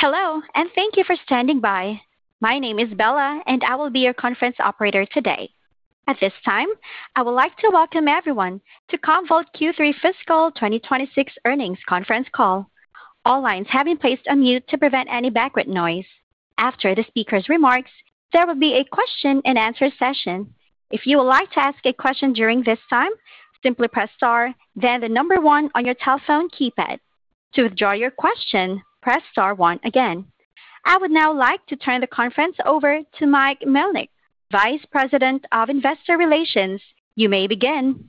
Hello, and thank you for standing by. My name is Bella, and I will be your conference operator today. At this time, I would like to welcome everyone to Commvault Q3 Fiscal 2026 earnings conference call. All lines have been placed on mute to prevent any background noise. After the speaker's remarks, there will be a question-and-answer session. If you would like to ask a question during this time, simply press star, then the number one on your telephone keypad. To withdraw your question, press star one again. I would now like to turn the conference over to Mike Melnyk, Vice President of Investor Relations. You may begin.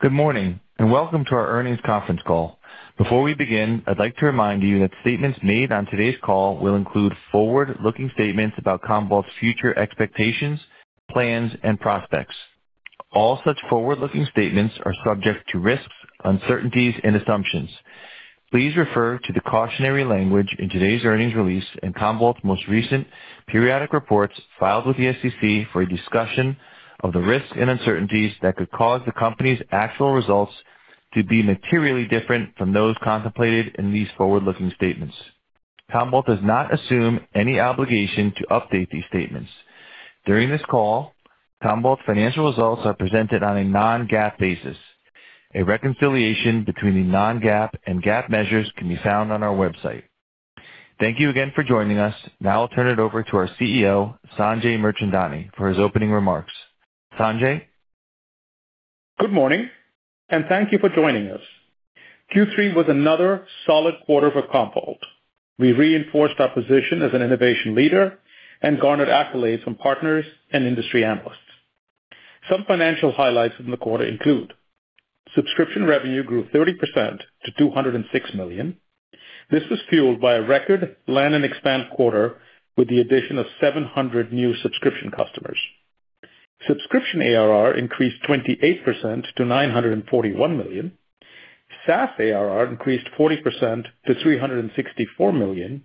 Good morning, and welcome to our earnings conference call. Before we begin, I'd like to remind you that statements made on today's call will include forward-looking statements about Commvault's future expectations, plans, and prospects. All such forward-looking statements are subject to risks, uncertainties, and assumptions. Please refer to the cautionary language in today's earnings release and Commvault's most recent periodic reports filed with the SEC for a discussion of the risks and uncertainties that could cause the company's actual results to be materially different from those contemplated in these forward-looking statements. Commvault does not assume any obligation to update these statements. During this call, Commvault's financial results are presented on a non-GAAP basis. A reconciliation between the non-GAAP and GAAP measures can be found on our website. Thank you again for joining us. Now I'll turn it over to our CEO, Sanjay Mirchandani, for his opening remarks. Sanjay? Good morning, and thank you for joining us. Q3 was another solid quarter for Commvault. We reinforced our position as an innovation leader and garnered accolades from partners and industry analysts. Some financial highlights from the quarter include: subscription revenue grew 30% to $206 million. This was fueled by a record land and expand quarter with the addition of 700 new subscription customers. Subscription ARR increased 28% to $941 million. SaaS ARR increased 40% to $364 million,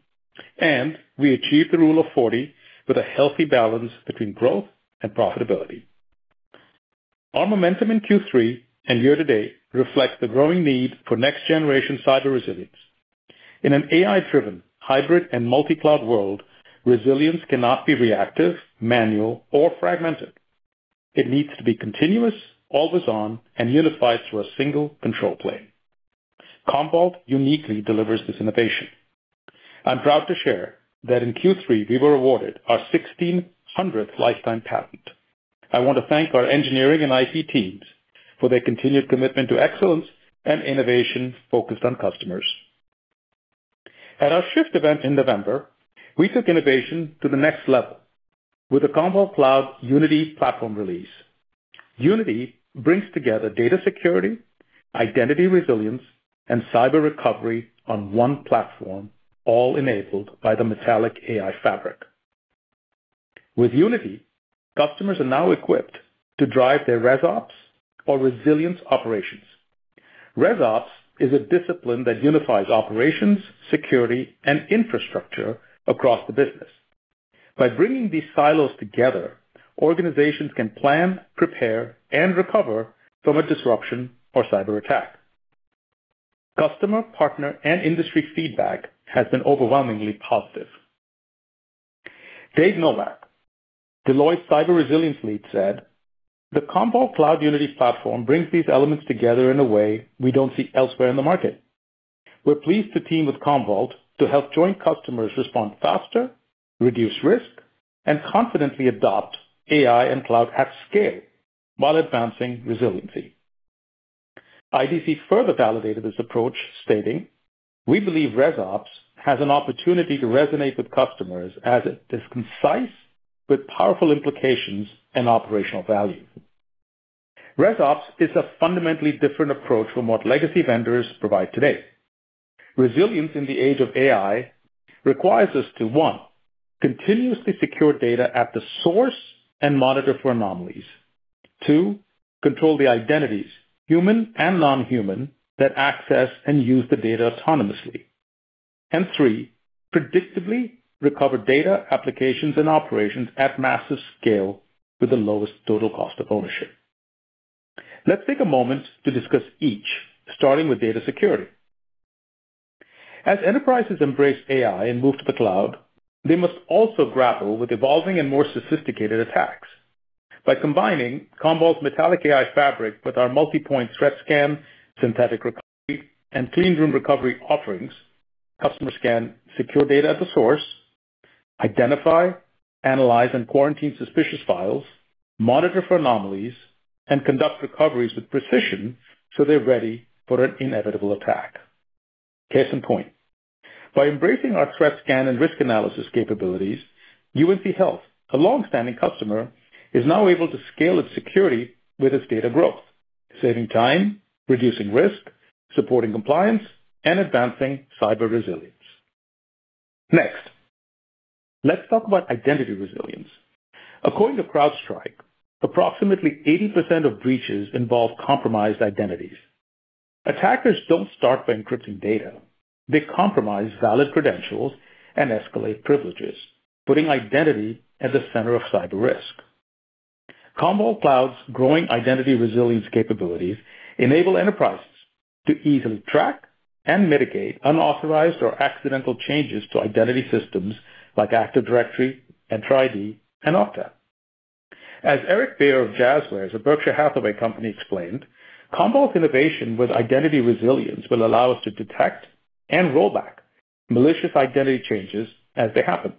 and we achieved the Rule of 40 with a healthy balance between growth and profitability. Our momentum in Q3 and year-to-date reflects the growing need for next-generation cyber resilience. In an AI-driven, hybrid, and multi-cloud world, resilience cannot be reactive, manual, or fragmented. It needs to be continuous, always on, and unified through a single control plane. Commvault uniquely delivers this innovation. I'm proud to share that in Q3, we were awarded our 1,600th lifetime patent. I want to thank our engineering and IT teams for their continued commitment to excellence and innovation focused on customers. At our SHIFT event in November, we took innovation to the next level with the Commvault Cloud Unity Platform release. Unity brings together data security, identity resilience, and cyber recovery on one platform, all enabled by the Metallic AI fabric. With Unity, customers are now equipped to drive their ResOps or Resilience Operations. ResOps is a discipline that unifies operations, security, and infrastructure across the business. By bringing these silos together, organizations can plan, prepare, and recover from a disruption or cyberattack. Customer, partner, and industry feedback has been overwhelmingly positive. Dave Novak, Deloitte's cyber resilience lead, said, "The Commvault Cloud Unity Platform brings these elements together in a way we don't see elsewhere in the market. We're pleased to team with Commvault to help joint customers respond faster, reduce risk, and confidently adopt AI and cloud at scale while advancing resiliency." IDC further validated this approach, stating, "We believe ResOps has an opportunity to resonate with customers as it is concise with powerful implications and operational value." ResOps is a fundamentally different approach from what legacy vendors provide today. Resilience in the age of AI requires us to, one, continuously secure data at the source and monitor for anomalies. Two, control the identities, human and non-human, that access and use the data autonomously. And three, predictably recover data, applications, and operations at massive scale with the lowest total cost of ownership. Let's take a moment to discuss each, starting with data security. As enterprises embrace AI and move to the cloud, they must also grapple with evolving and more sophisticated attacks. By combining Commvault's Metallic AI fabric with our multi-point Threat Scan, Synthetic Recovery, and Cleanroom Recovery offerings, customers can secure data at the source, identify, analyze, and quarantine suspicious files, monitor for anomalies, and conduct recoveries with precision so they're ready for an inevitable attack. Case in point, by embracing our Threat Scan and Risk Analysis capabilities, UNC Health, a long-standing customer, is now able to scale its security with its data growth, saving time, reducing risk, supporting compliance, and advancing cyber resilience. Next, let's talk about identity resilience. According to CrowdStrike, approximately 80% of breaches involve compromised identities. Attackers don't start by encrypting data. They compromise valid credentials and escalate privileges, putting identity at the center of cyber risk. Commvault Cloud's growing identity resilience capabilities enable enterprises to easily track and mitigate unauthorized or accidental changes to identity systems like Active Directory, Entra ID, and Okta. As Eric Bayer of Jazwares, a Berkshire Hathaway company, explained, "Commvault's innovation with identity resilience will allow us to detect and roll back malicious identity changes as they happen,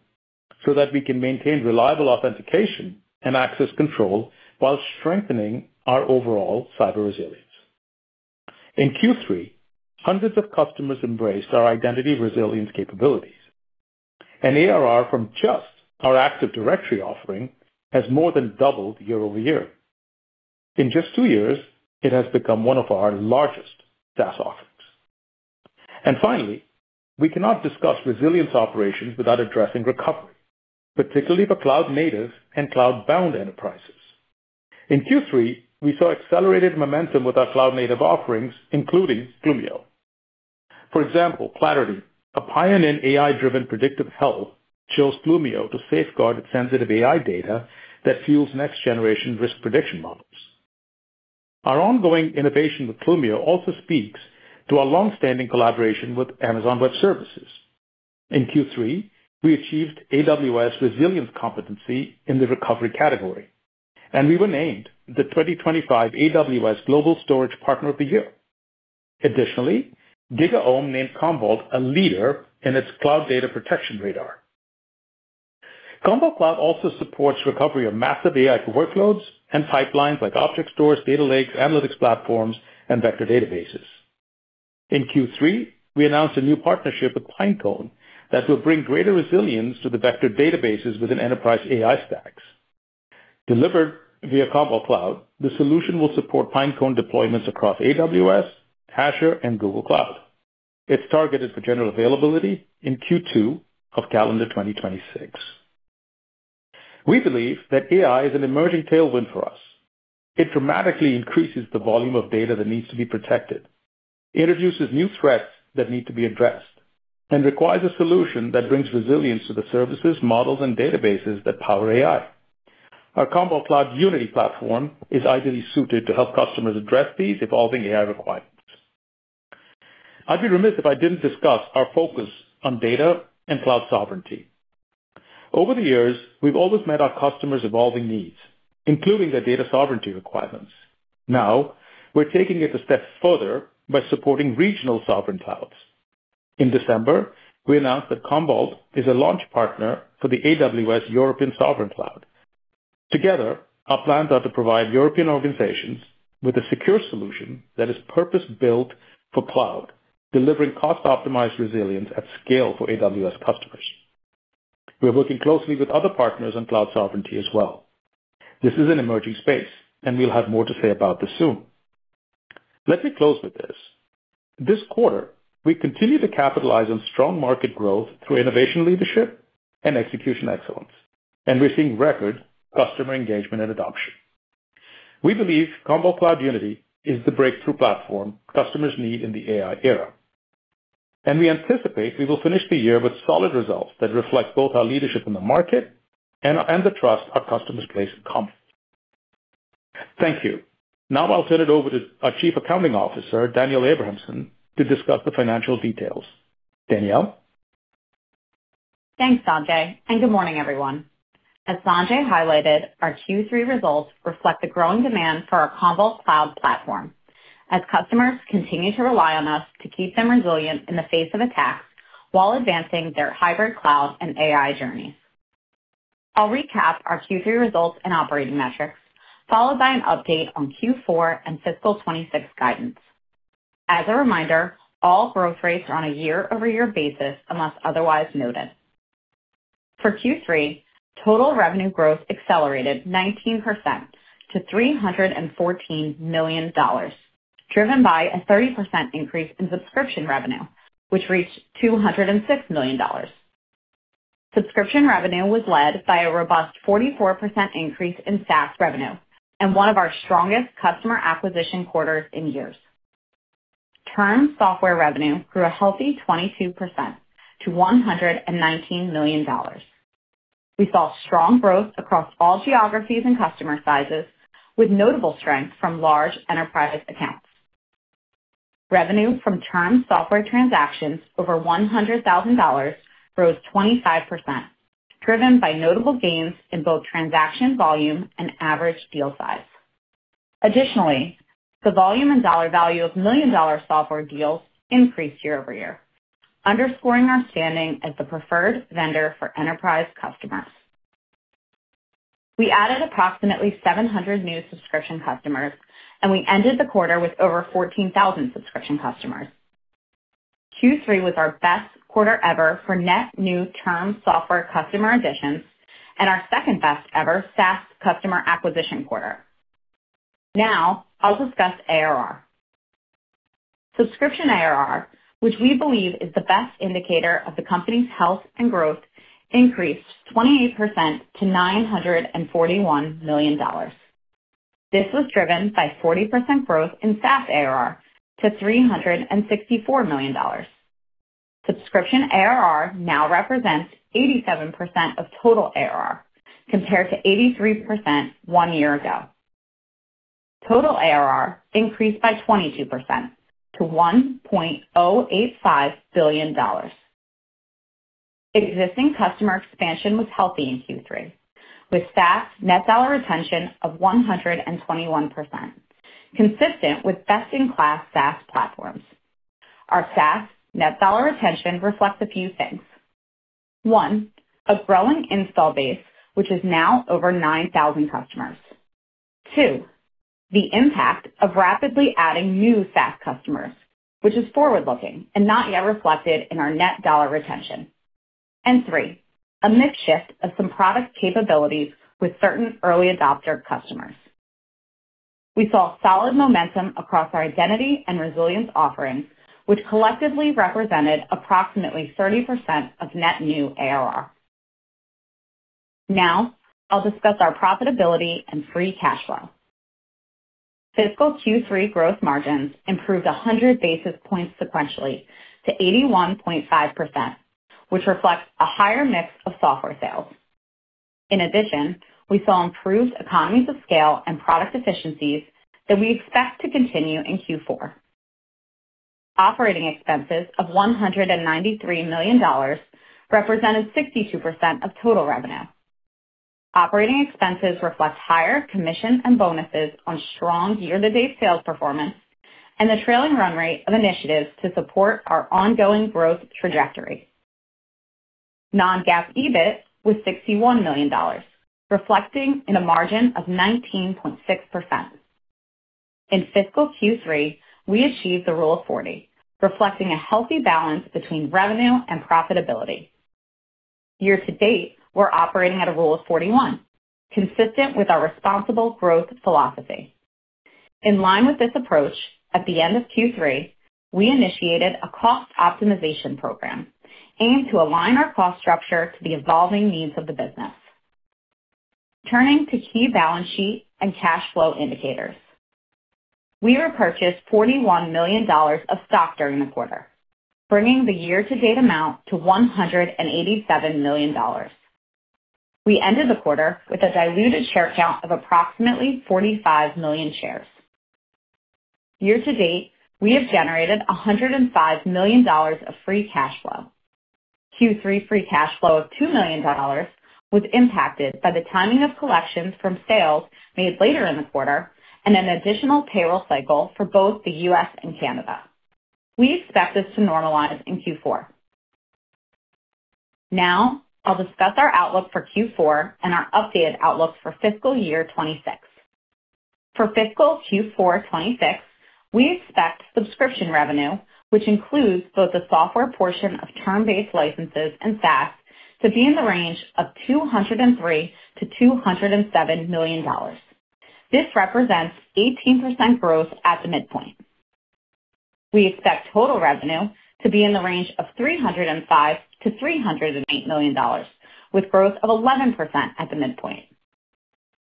so that we can maintain reliable authentication and access control while strengthening our overall cyber resilience." In Q3, hundreds of customers embraced our identity resilience capabilities, and ARR from just our Active Directory offering has more than doubled year over year. In just two years, it has become one of our largest SaaS offerings. And finally, we cannot discuss Resilience Operations without addressing recovery, particularly for cloud-native and cloud-bound enterprises. In Q3, we saw accelerated momentum with our cloud-native offerings, including Clumio. For example, Clarity, a pioneer in AI-driven predictive health, chose Clumio to safeguard its sensitive AI data that fuels next-generation risk prediction models. Our ongoing innovation with Clumio also speaks to our long-standing collaboration with Amazon Web Services. In Q3, we achieved AWS Resilience Competency in the recovery category, and we were named the 2025 AWS Global Storage Partner of the Year. Additionally, GigaOm named Commvault a leader in its Cloud Data Protection Radar. Commvault Cloud also supports recovery of massive AI workloads and pipelines like object stores, data lakes, analytics platforms, and vector databases. In Q3, we announced a new partnership with Pinecone that will bring greater resilience to the vector databases within enterprise AI stacks. Delivered via Commvault Cloud, the solution will support Pinecone deployments across AWS, Azure, and Google Cloud. It's targeted for general availability in Q2 of calendar 2026. We believe that AI is an emerging tailwind for us. It dramatically increases the volume of data that needs to be protected, introduces new threats that need to be addressed, and requires a solution that brings resilience to the services, models, and databases that power AI. Our Commvault Cloud Unity Platform is ideally suited to help customers address these evolving AI requirements. I'd be remiss if I didn't discuss our focus on data and cloud sovereignty. Over the years, we've always met our customers' evolving needs, including their data sovereignty requirements. Now, we're taking it a step further by supporting regional sovereign clouds. In December, we announced that Commvault is a launch partner for the AWS European Sovereign Cloud. Together, our plans are to provide European organizations with a secure solution that is purpose-built for cloud, delivering cost-optimized resilience at scale for AWS customers. We are working closely with other partners on cloud sovereignty as well. This is an emerging space, and we'll have more to say about this soon. Let me close with this. This quarter, we continue to capitalize on strong market growth through innovation, leadership, and execution excellence, and we're seeing record customer engagement and adoption. We believe Commvault Cloud Unity is the breakthrough platform customers need in the AI era, and we anticipate we will finish the year with solid results that reflect both our leadership in the market and the trust our customers place in Commvault. Thank you. Now I'll turn it over to our Chief Accounting Officer, Danielle Abrahamsen, to discuss the financial details. Danielle? Thanks, Sanjay, and good morning, everyone. As Sanjay highlighted, our Q3 results reflect the growing demand for our Commvault Cloud platform, as customers continue to rely on us to keep them resilient in the face of attacks while advancing their hybrid cloud and AI journey. I'll recap our Q3 results and operating metrics, followed by an update on Q4 and fiscal 2026 guidance. As a reminder, all growth rates are on a year-over-year basis, unless otherwise noted. For Q3, total revenue growth accelerated 19% to $314 million, driven by a 30% increase in subscription revenue, which reached $206 million. Subscription revenue was led by a robust 44% increase in SaaS revenue and one of our strongest customer acquisition quarters in years. Term software revenue grew a healthy 22% to $119 million. We saw strong growth across all geographies and customer sizes, with notable strength from large enterprise accounts. Revenue from term software transactions over $100,000 grew 25%, driven by notable gains in both transaction volume and average deal size. Additionally, the volume and dollar value of $1 million software deals increased year over year, underscoring our standing as the preferred vendor for enterprise customers. We added approximately 700 new subscription customers, and we ended the quarter with over 14,000 subscription customers. Q3 was our best quarter ever for net new term software customer additions and our second-best-ever SaaS customer acquisition quarter. Now I'll discuss ARR. Subscription ARR, which we believe is the best indicator of the company's health and growth, increased 28% to $941 million. This was driven by 40% growth in SaaS ARR to $364 million. Subscription ARR now represents 87% of total ARR, compared to 83% one year ago. Total ARR increased by 22% to $1.085 billion. Existing customer expansion was healthy in Q3, with SaaS net dollar retention of 121%, consistent with best-in-class SaaS platforms. Our SaaS net dollar retention reflects a few things. One, a growing install base, which is now over 9,000 customers. Two, the impact of rapidly adding new SaaS customers, which is forward-looking and not yet reflected in our net dollar retention. And three, a mix shift of some product capabilities with certain early adopter customers. We saw solid momentum across our identity and resilience offerings, which collectively represented approximately 30% of net new ARR. Now, I'll discuss our profitability and free cash flow. Fiscal Q3 gross margins improved 100 basis points sequentially to 81.5%, which reflects a higher mix of software sales. In addition, we saw improved economies of scale and product efficiencies that we expect to continue in Q4. Operating expenses of $193 million represented 62% of total revenue. Operating expenses reflect higher commissions and bonuses on strong year-to-date sales performance and the trailing run rate of initiatives to support our ongoing growth trajectory. Non-GAAP EBIT was $61 million, reflecting in a margin of 19.6%. In fiscal Q3, we achieved a Rule of 40, reflecting a healthy balance between revenue and profitability. Year-to-date, we're operating at a Rule of 41, consistent with our responsible growth philosophy. In line with this approach, at the end of Q3, we initiated a cost optimization program aimed to align our cost structure to the evolving needs of the business. Turning to key balance sheet and cash flow indicators. We repurchased $41 million of stock during the quarter, bringing the year-to-date amount to $187 million. We ended the quarter with a diluted share count of approximately 45 million shares. Year to date, we have generated $105 million of free cash flow. Q3 free cash flow of $2 million was impacted by the timing of collections from sales made later in the quarter and an additional payroll cycle for both the U.S. and Canada. We expect this to normalize in Q4. Now, I'll discuss our outlook for Q4 and our updated outlook for fiscal year 2026. For fiscal Q4 2026, we expect subscription revenue, which includes both the software portion of term-based licenses and SaaS, to be in the range of $203 million-$207 million. This represents 18% growth at the midpoint. We expect total revenue to be in the range of $305 million-$308 million, with growth of 11% at the midpoint.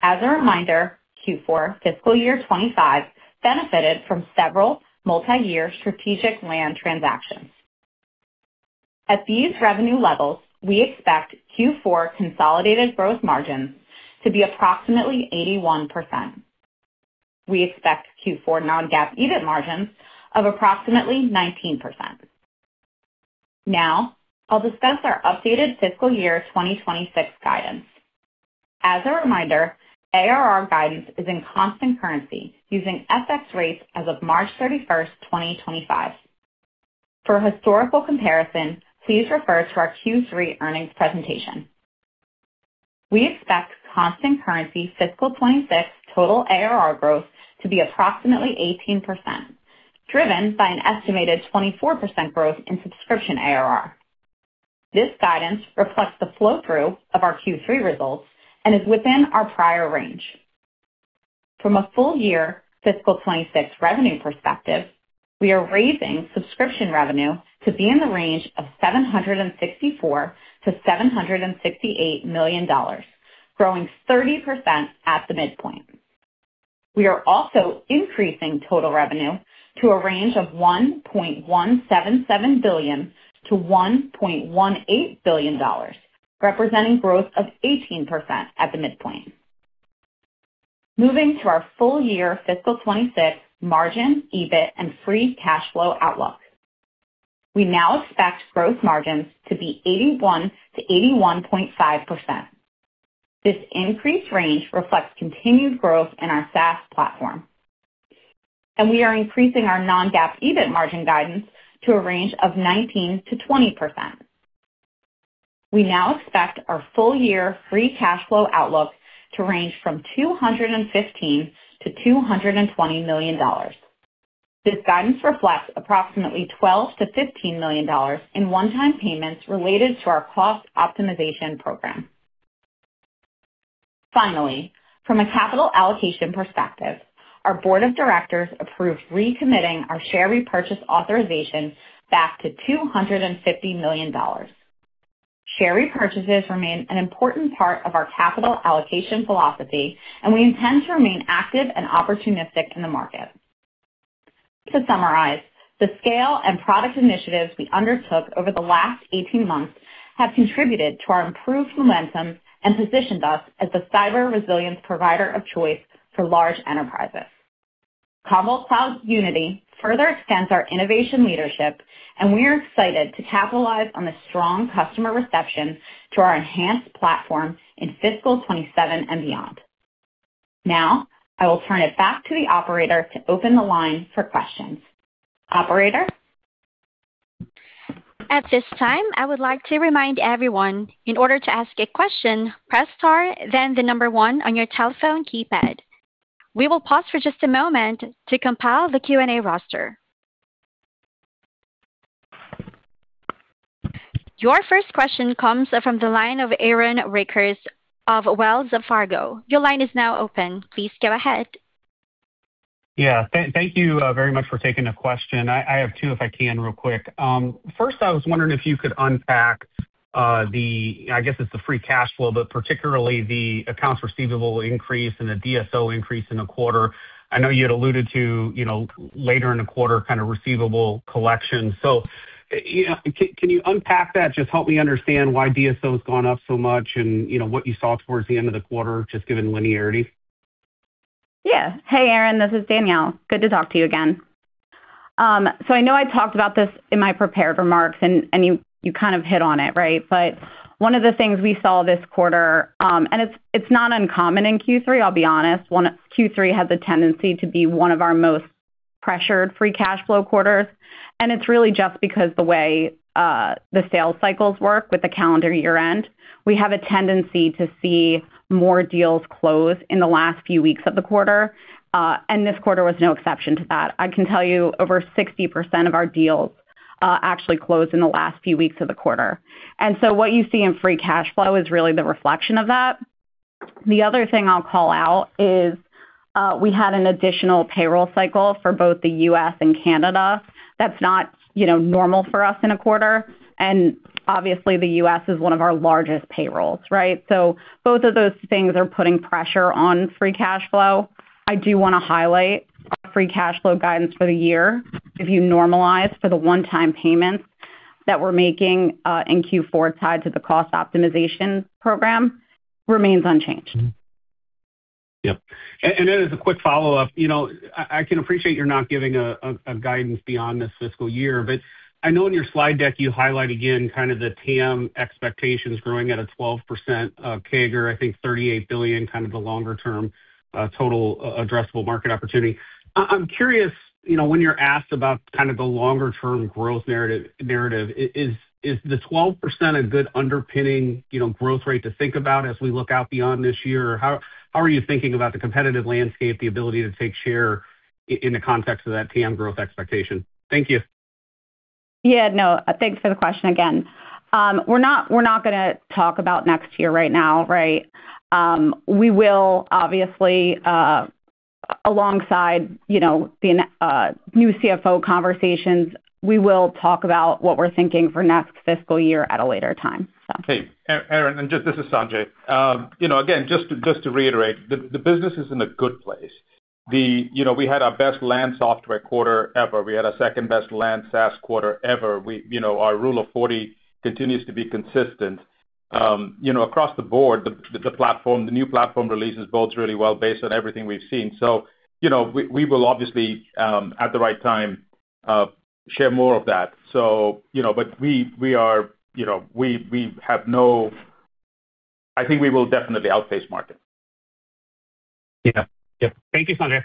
As a reminder, Q4 fiscal year 2025 benefited from several multiyear strategic land transactions. At these revenue levels, we expect Q4 consolidated gross margins to be approximately 81%. We expect Q4 non-GAAP EBIT margins of approximately 19%. Now, I'll discuss our updated fiscal year 2026 guidance. As a reminder, ARR guidance is in constant currency, using FX rates as of March 31st, 2025. For historical comparison, please refer to our Q3 earnings presentation. We expect constant currency fiscal 2026 total ARR growth to be approximately 18%, driven by an estimated 24% growth in subscription ARR. This guidance reflects the flow-through of our Q3 results and is within our prior range. From a full-year fiscal 2026 revenue perspective, we are raising subscription revenue to be in the range of $764 million-$768 million, growing 30% at the midpoint. We are also increasing total revenue to a range of $1.177 billion-$1.18 billion, representing growth of 18% at the midpoint. Moving to our full-year fiscal 2026 margin, EBIT, and free cash flow outlook. We now expect gross margins to be 81%-81.5%. This increased range reflects continued growth in our SaaS platform, and we are increasing our non-GAAP EBIT margin guidance to a range of 19%-20%. We now expect our full-year free cash flow outlook to range from $215 million-$220 million. This guidance reflects approximately $12 million-$15 million in one-time payments related to our cost optimization program. Finally, from a capital allocation perspective, our board of directors approved recommitting our share repurchase authorization back to $250 million. ... Share repurchases remain an important part of our capital allocation philosophy, and we intend to remain active and opportunistic in the market. To summarize, the scale and product initiatives we undertook over the last 18 months have contributed to our improved momentum and positioned us as the cyber resilience provider of choice for large enterprises. Commvault Cloud Unity further extends our innovation leadership, and we are excited to capitalize on the strong customer reception to our enhanced platform in fiscal 2027 and beyond. Now, I will turn it back to the operator to open the line for questions. Operator? At this time, I would like to remind everyone, in order to ask a question, press star, then the number one on your telephone keypad. We will pause for just a moment to compile the Q&A roster. Your first question comes from the line of Aaron Rakers of Wells Fargo. Your line is now open. Please go ahead. Yeah, thank, thank you very much for taking the question. I, I have two, if I can, real quick. First, I was wondering if you could unpack the, I guess, it's the free cash flow, but particularly the accounts receivable increase and the DSO increase in the quarter. I know you had alluded to, you know, later in the quarter, kind of receivable collection. So, you know, can, can you unpack that? Just help me understand why DSO's gone up so much, and, you know, what you saw towards the end of the quarter, just given linearity. Yeah. Hey, Aaron, this is Danielle. Good to talk to you again. So I know I talked about this in my prepared remarks, and you kind of hit on it, right? But one of the things we saw this quarter, and it's not uncommon in Q3, I'll be honest. Q3 has a tendency to be one of our most pressured free cash flow quarters, and it's really just because the way the sales cycles work with the calendar year-end. We have a tendency to see more deals close in the last few weeks of the quarter, and this quarter was no exception to that. I can tell you, over 60% of our deals actually closed in the last few weeks of the quarter. And so what you see in free cash flow is really the reflection of that. The other thing I'll call out is, we had an additional payroll cycle for both the U.S. and Canada. That's not, you know, normal for us in a quarter, and obviously, the U.S. is one of our largest payrolls, right? So both of those things are putting pressure on Free Cash Flow. I do wanna highlight our Free Cash Flow guidance for the year. If you normalize for the one-time payments that we're making in Q4, tied to the cost optimization program, remains unchanged. Mm-hmm. Yep, and then as a quick follow-up, you know, I can appreciate you're not giving a guidance beyond this fiscal year, but I know in your slide deck, you highlight again, kind of the TAM expectations growing at a 12% CAGR, I think $38 billion, kind of the longer-term total addressable market opportunity. I'm curious, you know, when you're asked about kind of the longer-term growth narrative, is the 12% a good underpinning, you know, growth rate to think about as we look out beyond this year? Or how are you thinking about the competitive landscape, the ability to take share in the context of that TAM growth expectation? Thank you. Yeah, no, thanks for the question again. We're not, we're not gonna talk about next year right now, right? We will obviously, alongside, you know, the new CFO conversations, we will talk about what we're thinking for next fiscal year at a later time, so. Hey, Aaron, this is Sanjay. You know, again, just to reiterate, the business is in a good place. You know, we had our best land software quarter ever. We had our second-best land SaaS quarter ever. You know, our Rule of 40 continues to be consistent. You know, across the board, the platform, the new platform releases bodes really well based on everything we've seen. So, you know, we will obviously, at the right time, share more of that. So, you know, but we are, you know, we I think we will definitely outpace market. Yeah. Yep. Thank you, Sanjay.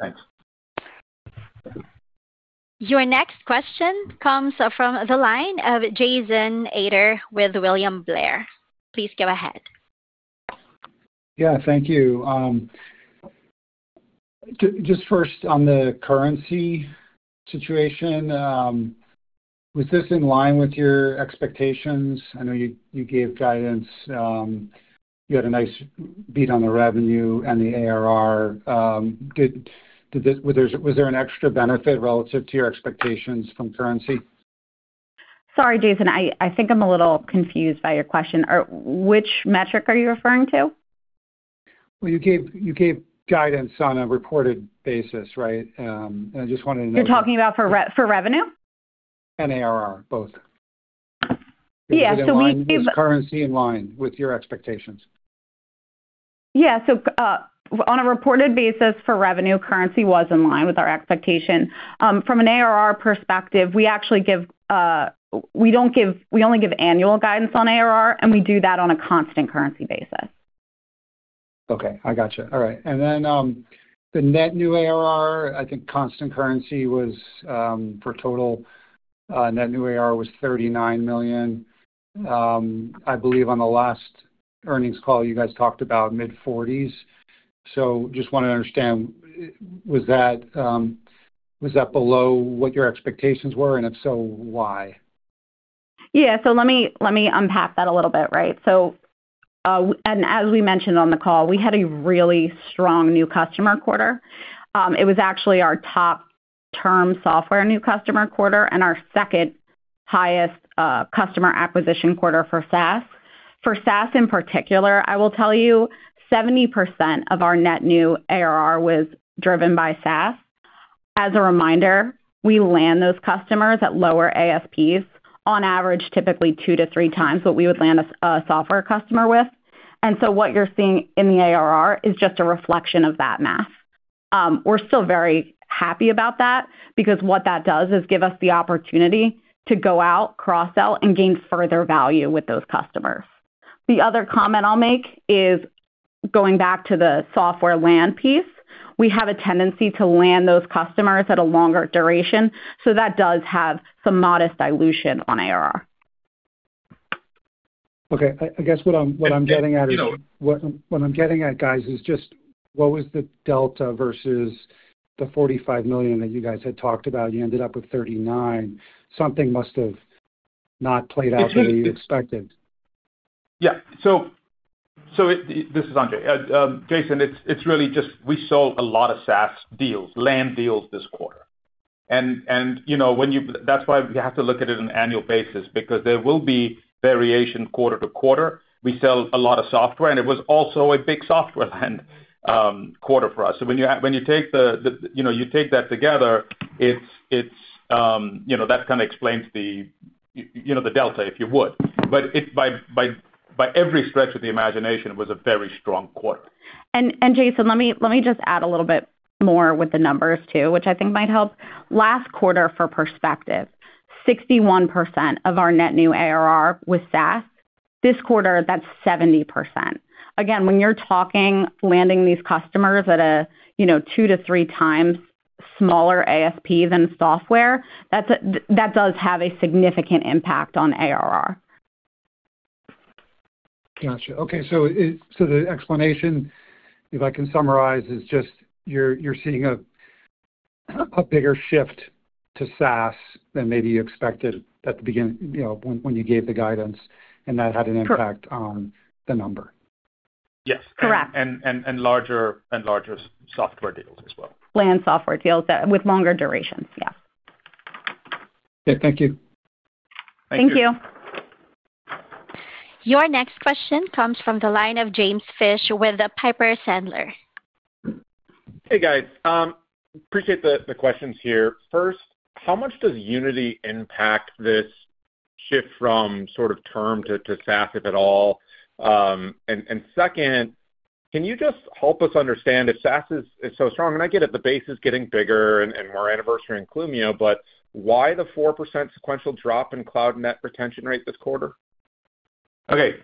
Thanks. Your next question comes from the line of Jason Ader with William Blair. Please go ahead. Yeah, thank you. Just first on the currency situation, was this in line with your expectations? I know you, you gave guidance. You had a nice beat on the revenue and the ARR. Was there an extra benefit relative to your expectations from currency? Sorry, Jason, I, I think I'm a little confused by your question. Or which metric are you referring to? Well, you gave, you gave guidance on a reported basis, right? And I just wanted to know- You're talking about for revenue? ARR, both. Yeah, so we gave- Was currency in line with your expectations? Yeah, so, on a reported basis for revenue, currency was in line with our expectation. From an ARR perspective, we actually give, we don't give-- we only give annual guidance on ARR, and we do that on a constant currency basis. Okay, I gotcha. All right. And then, the net new ARR, I think constant currency was, for total, net new ARR was $39 million. I believe on the last earnings call, you guys talked about mid-40s. So just wanted to understand, was that, was that below what your expectations were? And if so, why? Yeah, so let me unpack that a little bit, right? So, and as we mentioned on the call, we had a really strong new customer quarter. It was actually our top term software new customer quarter and our second highest customer acquisition quarter for SaaS. For SaaS in particular, I will tell you, 70% of our net new ARR was driven by SaaS. As a reminder, we land those customers at lower ASPs on average, typically 2-3x what we would land a software customer with. And so what you're seeing in the ARR is just a reflection of that math. We're still very happy about that because what that does is give us the opportunity to go out, cross-sell, and gain further value with those customers. The other comment I'll make is going back to the software land piece. We have a tendency to land those customers at a longer duration, so that does have some modest dilution on ARR. Okay. I guess what I'm getting at is- You know- What, what I'm getting at, guys, is just what was the delta versus the $45 million that you guys had talked about? You ended up with $39 million. Something must have not played out the way you expected. Yeah. This is Sanjay. Jason, it's really just we sold a lot of SaaS deals, land deals this quarter. And you know, that's why you have to look at it on an annual basis because there will be variation quarter-to-quarter. We sell a lot of software, and it was also a big software land quarter for us. So when you take that together, you know, you take that together, it's you know, that kinda explains the you know, the delta, if you would. But by every stretch of the imagination, it was a very strong quarter. Jason, let me just add a little bit more with the numbers, too, which I think might help. Last quarter, for perspective, 61% of our net new ARR was SaaS. This quarter, that's 70%. Again, when you're talking landing these customers at a, you know, 2x-3x smaller ASP than software, that's a, that does have a significant impact on ARR. Gotcha. Okay, so the explanation, if I can summarize, is just you're seeing a bigger shift to SaaS than maybe you expected at the beginning, you know, when you gave the guidance, and that had an impact- Sure. - on the number. Yes. Correct. And larger and larger software deals as well. Land software deals that with longer durations. Yeah. Okay. Thank you. Thank you. Thank you. Your next question comes from the line of James Fish with Piper Sandler. Hey, guys. Appreciate the questions here. First, how much does Unity impact this shift from sort of term to SaaS, if at all? And second, can you just help us understand if SaaS is so strong, and I get it, the base is getting bigger and more anniversary in Clumio, but why the 4% sequential drop in cloud net retention rate this quarter? Okay.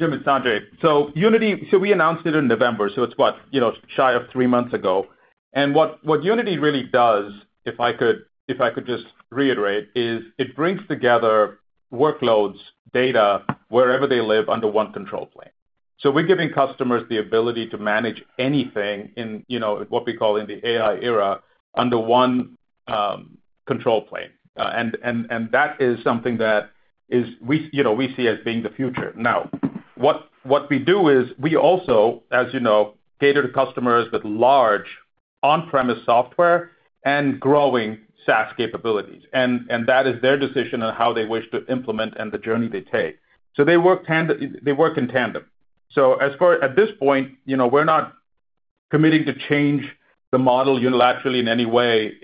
Jim, it's Sanjay. So Unity, so we announced it in November, so it's what? You know, shy of three months ago. And what, what Unity really does, if I could, if I could just reiterate, is it brings together workloads, data, wherever they live, under one control plane. So we're giving customers the ability to manage anything in, you know, what we call in the AI era, under one, control plane. And, and, and that is something that is we, you know, we see as being the future. Now, what, what we do is we also, as you know, cater to customers with large on-premise software and growing SaaS capabilities, and, and that is their decision on how they wish to implement and the journey they take. So they work in tandem. So, at this point, you know, we're not committing to change the model unilaterally in any way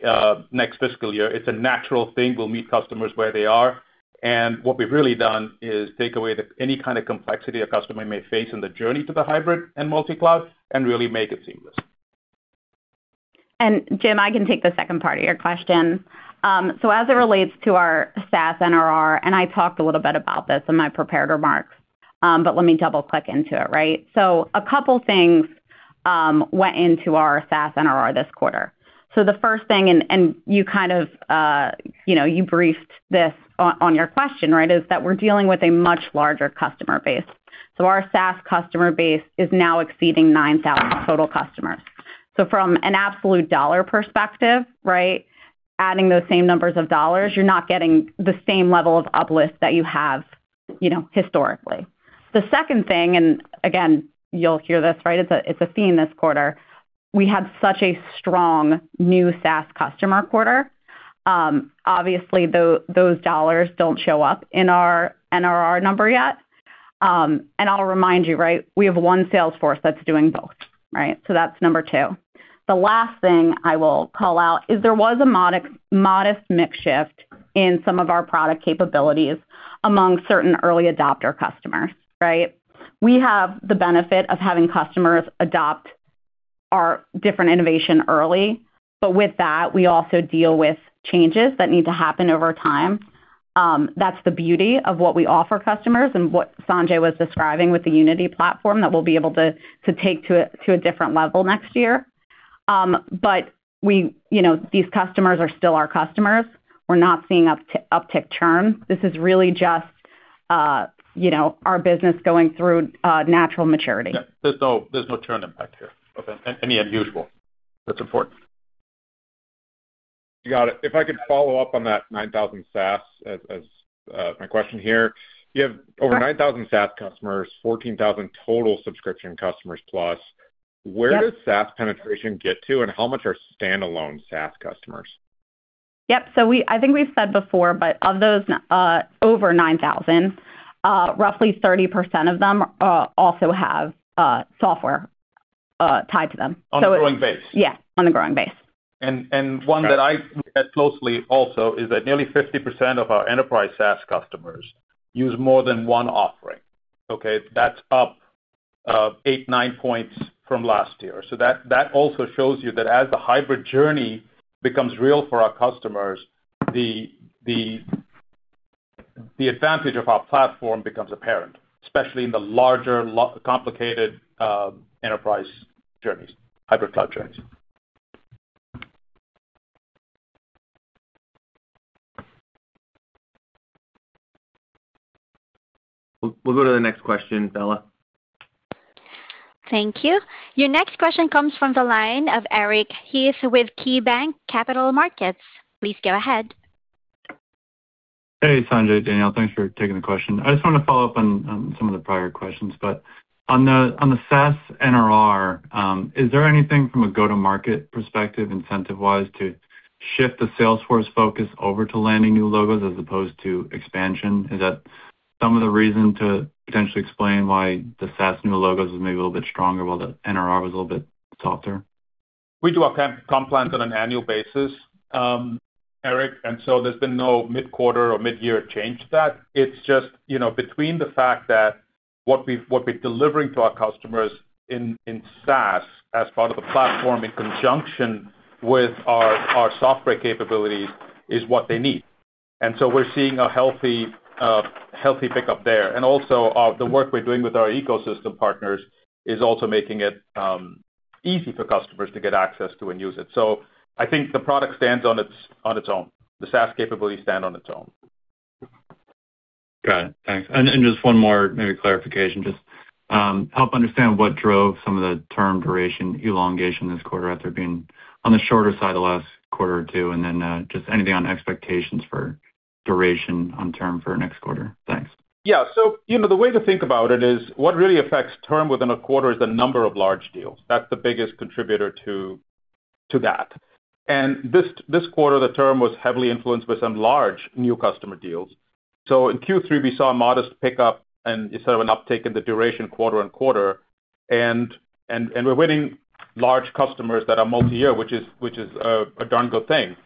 next fiscal year. It's a natural thing. We'll meet customers where they are, and what we've really done is take away any kind of complexity a customer may face in the journey to the hybrid and multi-cloud and really make it seamless. Jim, I can take the second part of your question. So as it relates to our SaaS NRR, and I talked a little bit about this in my prepared remarks, but let me double-click into it, right? So a couple things went into our SaaS NRR this quarter. So the first thing, and you kind of, you know, you briefed this on your question, right? Is that we're dealing with a much larger customer base. So our SaaS customer base is now exceeding 9,000 total customers. So from an absolute dollar perspective, right, adding those same numbers of dollars, you're not getting the same level of uplift that you have, you know, historically. The second thing, and again, you'll hear this, right, it's a theme this quarter. We had such a strong new SaaS customer quarter. Obviously, those dollars don't show up in our NRR number yet. And I'll remind you, right, we have one sales force that's doing both, right? So that's number two. The last thing I will call out is there was a modest, modest mix shift in some of our product capabilities among certain early adopter customers, right? We have the benefit of having customers adopt our different innovation early, but with that, we also deal with changes that need to happen over time. That's the beauty of what we offer customers and what Sanjay was describing with the Unity platform that we'll be able to take to a different level next year. But we, you know, these customers are still our customers. We're not seeing uptick churn. This is really just, you know, our business going through natural maturity. Yeah. There's no, there's no churn impact here. Okay? Any unusual that's important.... You got it. If I could follow up on that 9,000 SaaS my question here. You have over 9,000 SaaS customers, 14,000 total subscription customers, plus. Where does SaaS penetration get to, and how much are standalone SaaS customers? Yep. So we—I think we've said before, but of those, over 9,000, roughly 30% of them also have software tied to them. On the growing base? Yeah, on the growing base. One that I look at closely also is that nearly 50% of our enterprise SaaS customers use more than one offering, okay? That's up 8-9 points from last year. So that, that also shows you that as the hybrid journey becomes real for our customers, the advantage of our platform becomes apparent, especially in the larger, complicated enterprise journeys, hybrid cloud journeys. We'll go to the next question, Bella. Thank you. Your next question comes from the line of Eric. He is with KeyBanc Capital Markets. Please go ahead. Hey, Sanjay, Danielle, thanks for taking the question. I just want to follow up on some of the prior questions, but on the SaaS NRR, is there anything from a go-to-market perspective, incentive-wise, to shift the sales force focus over to landing new logos as opposed to expansion? Is that some of the reason to potentially explain why the SaaS new logos was maybe a little bit stronger, while the NRR was a little bit softer? We do our comp plans on an annual basis, Eric, and so there's been no mid-quarter or mid-year change to that. It's just, you know, between the fact that what we've, what we're delivering to our customers in SaaS as part of the platform, in conjunction with our software capabilities, is what they need. And so we're seeing a healthy pickup there. And also, the work we're doing with our ecosystem partners is also making it easy for customers to get access to and use it. So I think the product stands on its own. The SaaS capabilities stand on its own. Got it. Thanks. And just one more maybe clarification. Just help understand what drove some of the term duration elongation this quarter after being on the shorter side the last quarter or two, and then just anything on expectations for duration on term for next quarter. Thanks. Yeah. So, you know, the way to think about it is, what really affects term within a quarter is the number of large deals. That's the biggest contributor to that. And this quarter, the term was heavily influenced by some large new customer deals. So in Q3, we saw a modest pickup and you saw an uptick in the duration quarter-on-quarter. And we're winning large customers that are multi-year, which is a darn good thing.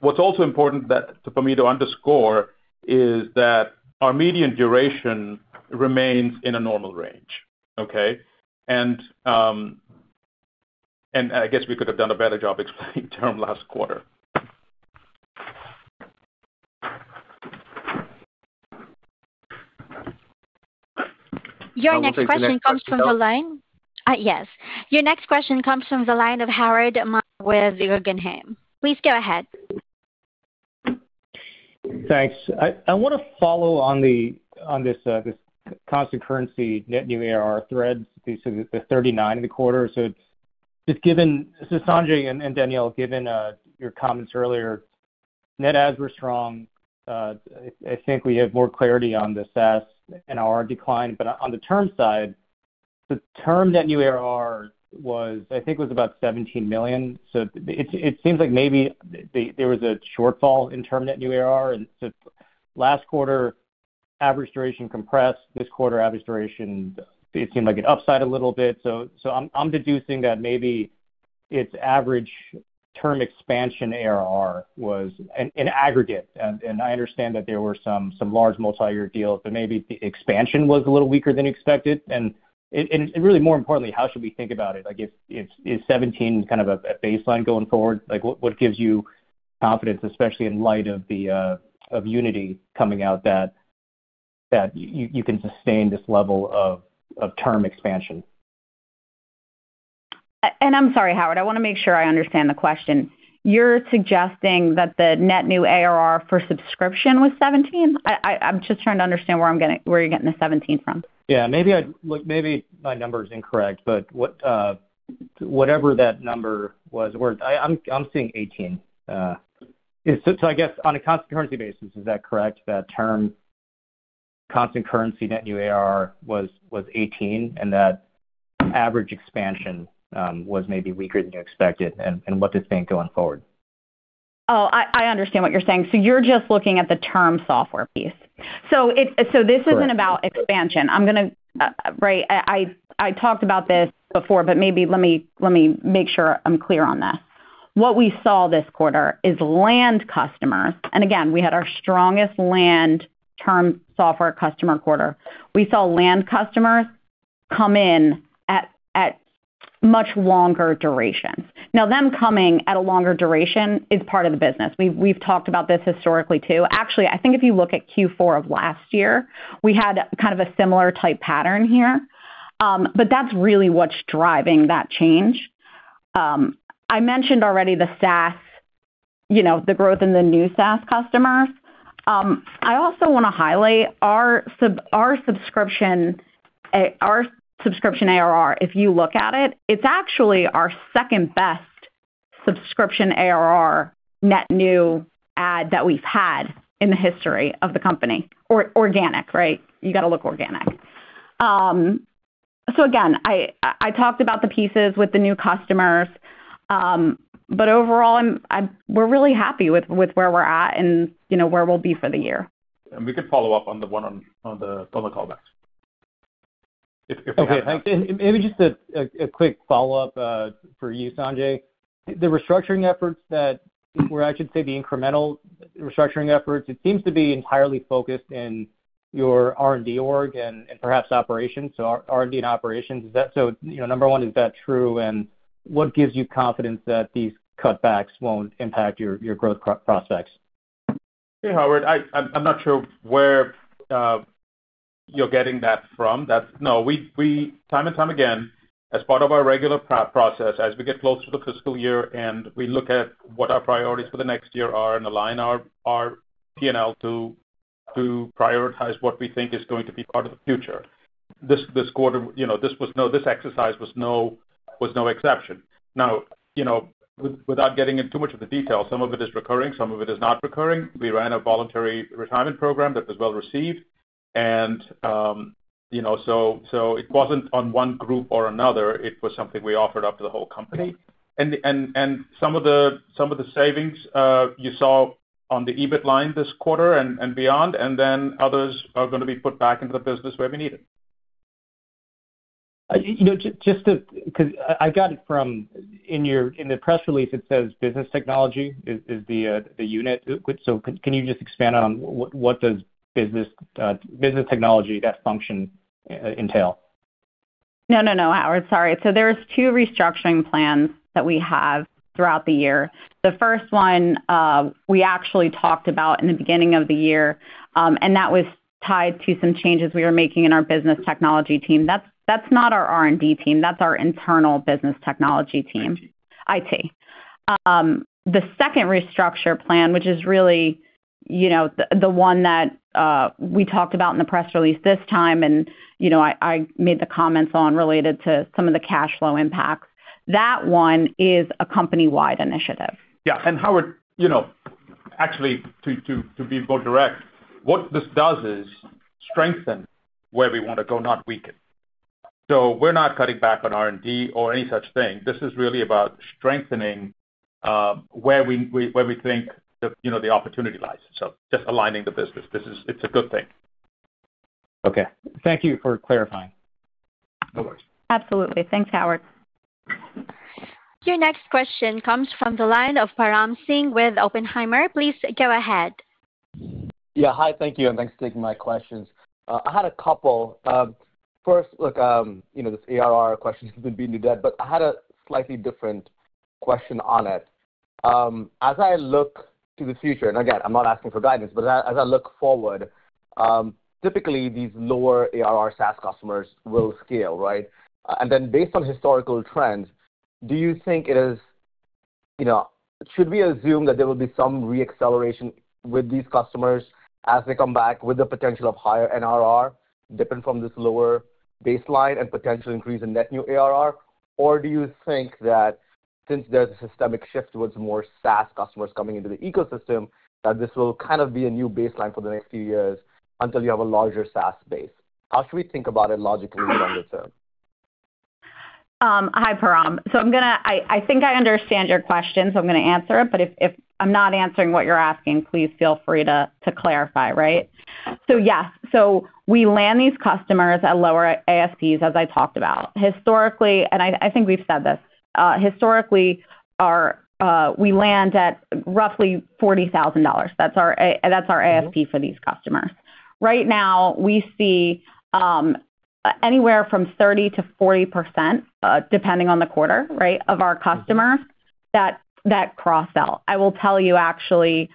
What's also important that, for me to underscore, is that our median duration remains in a normal range, okay? And I guess we could have done a better job explaining term last quarter. Your next question comes from the line- I think the next question. Yes. Your next question comes from the line of Howard Ma with Guggenheim. Please go ahead. Thanks. I wanna follow on this constant currency net new ARR trend, the $39 million in the quarter. So just given—Sanjay and Danielle, given your comments earlier, net adds were strong. I think we have more clarity on the SaaS and ARR decline, but on the term side, the term net new ARR was, I think, about $17 million. So it seems like maybe there was a shortfall in term net new ARR. And so last quarter, average duration compressed. This quarter, average duration seemed like an upside a little bit. So I'm deducing that maybe its average term expansion ARR was in aggregate. And I understand that there were some large multiyear deals, but maybe the expansion was a little weaker than expected. And really, more importantly, how should we think about it? Like, if it's 17 kind of a baseline going forward? Like, what gives you confidence, especially in light of the of Unity coming out, that you can sustain this level of term expansion? I'm sorry, Howard. I wanna make sure I understand the question. You're suggesting that the net new ARR for subscription was 17? I'm just trying to understand where I'm getting, where you're getting the 17 from. Yeah, maybe look, maybe my number is incorrect, but what, whatever that number was, where I am seeing 18. So I guess on a constant currency basis, is that correct, that term constant currency, net new ARR was 18, and that average expansion was maybe weaker than you expected, and what to think going forward? Oh, I understand what you're saying. So you're just looking at the term software piece. So it- Correct. So this isn't about expansion. I'm gonna right. I talked about this before, but maybe let me make sure I'm clear on this. What we saw this quarter is land customers, and again, we had our strongest land term software customer quarter. We saw land customers come in at much longer durations. Now, them coming at a longer duration is part of the business. We've talked about this historically, too. Actually, I think if you look at Q4 of last year, we had kind of a similar type pattern here. But that's really what's driving that change. I mentioned already the SaaS, you know, the growth in the new SaaS customers.... I also want to highlight our subscription ARR. If you look at it, it's actually our second-best subscription ARR net new ad that we've had in the history of the company, or organic, right? You got to look organic. So again, I talked about the pieces with the new customers, but overall, we're really happy with where we're at and, you know, where we'll be for the year. And we could follow up on the one on the callbacks, if we have time. Okay. Maybe just a quick follow-up for you, Sanjay. The restructuring efforts that, or I should say, the incremental restructuring efforts, it seems to be entirely focused in your R&D org and perhaps operations, so R&D and operations. Is that so, you know, number one, is that true? And what gives you confidence that these cutbacks won't impact your growth prospects? Hey, Howard, I'm not sure where you're getting that from. That's. No, we time and time again, as part of our regular process, as we get close to the fiscal year-end, we look at what our priorities for the next year are and align our P&L to prioritize what we think is going to be part of the future. This quarter, you know, this was no exception. Now, you know, without getting into too much of the detail, some of it is recurring, some of it is not recurring. We ran a voluntary retirement program that was well received. And, you know, so it wasn't on one group or another, it was something we offered up to the whole company. And some of the savings you saw on the EBIT line this quarter and beyond, and then others are going to be put back into the business where we need it. You know, just to... 'Cause I got it from your press release, it says Business Technology is the unit. So can you just expand on what does Business Technology, that function, entail? No, no, no, Howard, sorry. So there's two restructuring plans that we have throughout the year. The first one, we actually talked about in the beginning of the year, and that was tied to some changes we were making in our Business Technology team. That's, that's not our R&D team, that's our internal Business Technology team, IT. The second restructure plan, which is really, you know, the, the one that, we talked about in the press release this time, and, you know, I, I made the comments on related to some of the cash flow impacts. That one is a company-wide initiative. Yeah. And Howard, you know, actually, to be more direct, what this does is strengthen where we want to go, not weaken. So we're not cutting back on R&D or any such thing. This is really about strengthening where we think the opportunity lies. So just aligning the business. This is. It's a good thing. Okay. Thank you for clarifying. No worries. Absolutely. Thanks, Howard. Your next question comes from the line of Param Singh with Oppenheimer. Please go ahead. Yeah. Hi, thank you, and thanks for taking my questions. I had a couple. First, look, you know, this ARR question has been beaten to death, but I had a slightly different question on it. As I look to the future, and again, I'm not asking for guidance, but as I look forward, typically these lower ARR SaaS customers will scale, right? And then based on historical trends, do you think it is, you know, should we assume that there will be some re-acceleration with these customers as they come back with the potential of higher NRR, different from this lower baseline and potential increase in net new ARR? Or do you think that since there's a systemic shift towards more SaaS customers coming into the ecosystem, that this will kind of be a new baseline for the next few years until you have a larger SaaS base? How should we think about it logically longer term? Hi, Param. So I'm gonna. I think I understand your question, so I'm going to answer it, but if I'm not answering what you're asking, please feel free to clarify, right? So, yes, so we land these customers at lower ASPs, as I talked about. Historically, and I think we've said this, historically, our, we land at roughly $40,000. That's our ASP for these customers. Right now, we see anywhere from 30%-40%, depending on the quarter, right, of our customers that cross-sell. I will tell you, actually,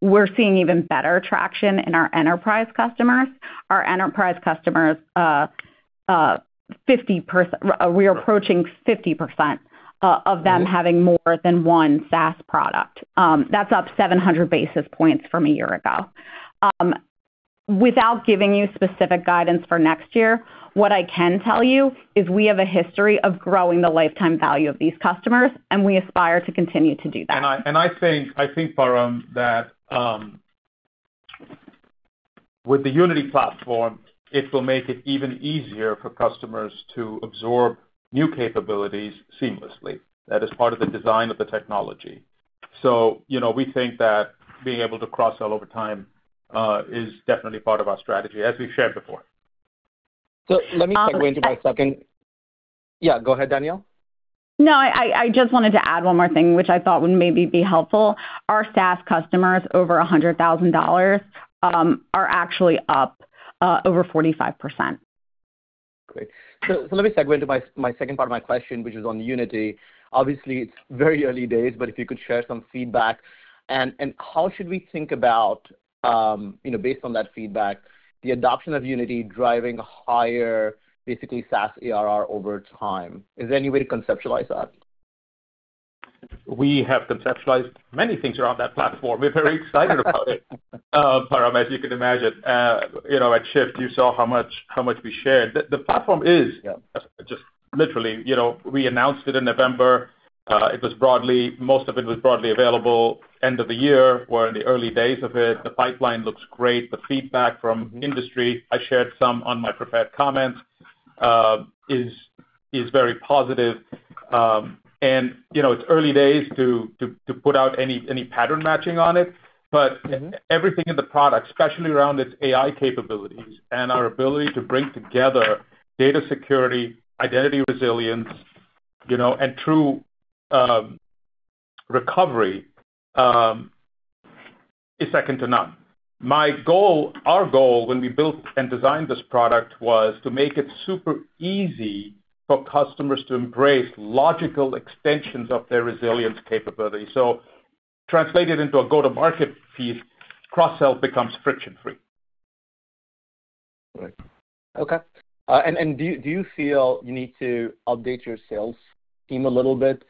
we're seeing even better traction in our enterprise customers. Our enterprise customers, 50%-- we're approaching 50%, of them having more than one SaaS product. That's up 700 basis points from a year ago. Without giving you specific guidance for next year, what I can tell you is we have a history of growing the lifetime value of these customers, and we aspire to continue to do that. I think, Param, that with the Unity platform, it will make it even easier for customers to absorb new capabilities seamlessly. That is part of the design of the technology. So, you know, we think that being able to cross-sell over time is definitely part of our strategy, as we've shared before. So let me segue into my second- Um, uh- Yeah, go ahead, Danielle. No, I just wanted to add one more thing, which I thought would maybe be helpful. Our SaaS customers over $100,000 are actually up over 45%. Great. So let me segue into my second part of my question, which is on Unity. Obviously, it's very early days, but if you could share some feedback. And how should we think about, you know, based on that feedback, the adoption of Unity driving higher, basically, SaaS ARR over time? Is there any way to conceptualize that? ... We have conceptualized many things around that platform. We're very excited about it, Param, as you can imagine. You know, at SHIFT, you saw how much, how much we shared. The platform is- Yeah. Just literally, you know, we announced it in November. It was broadly, most of it was broadly available end of the year. We're in the early days of it. The pipeline looks great. The feedback from industry, I shared some on my prepared comments, is very positive. And, you know, it's early days to put out any pattern matching on it. But everything in the product, especially around its AI capabilities and our ability to bring together data security, identity resilience, you know, and true recovery, is second to none. Our goal when we built and designed this product was to make it super easy for customers to embrace logical extensions of their resilience capabilities. So translated into a go-to-market, cross-sell becomes friction-free. Right. Okay. And do you feel you need to update your sales team a little bit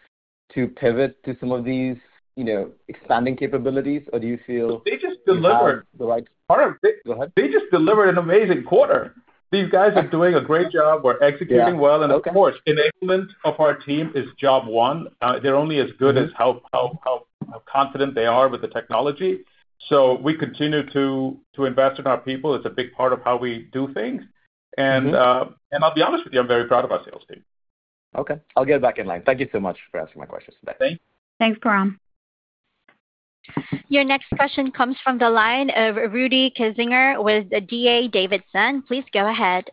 to pivot to some of these, you know, expanding capabilities? Or do you feel- They just delivered- The right... go ahead. They just delivered an amazing quarter. These guys are doing a great job. Yeah. We're executing well. Okay. Of course, enablement of our team is job one. They're only as good as how confident they are with the technology. We continue to invest in our people. It's a big part of how we do things. Mm-hmm. And I'll be honest with you, I'm very proud of our sales team. Okay. I'll get back in line. Thank you so much for answering my questions today. Thank you. Thanks, Param. Your next question comes from the line of Rudy Kessinger with D.A. Davidson. Please go ahead.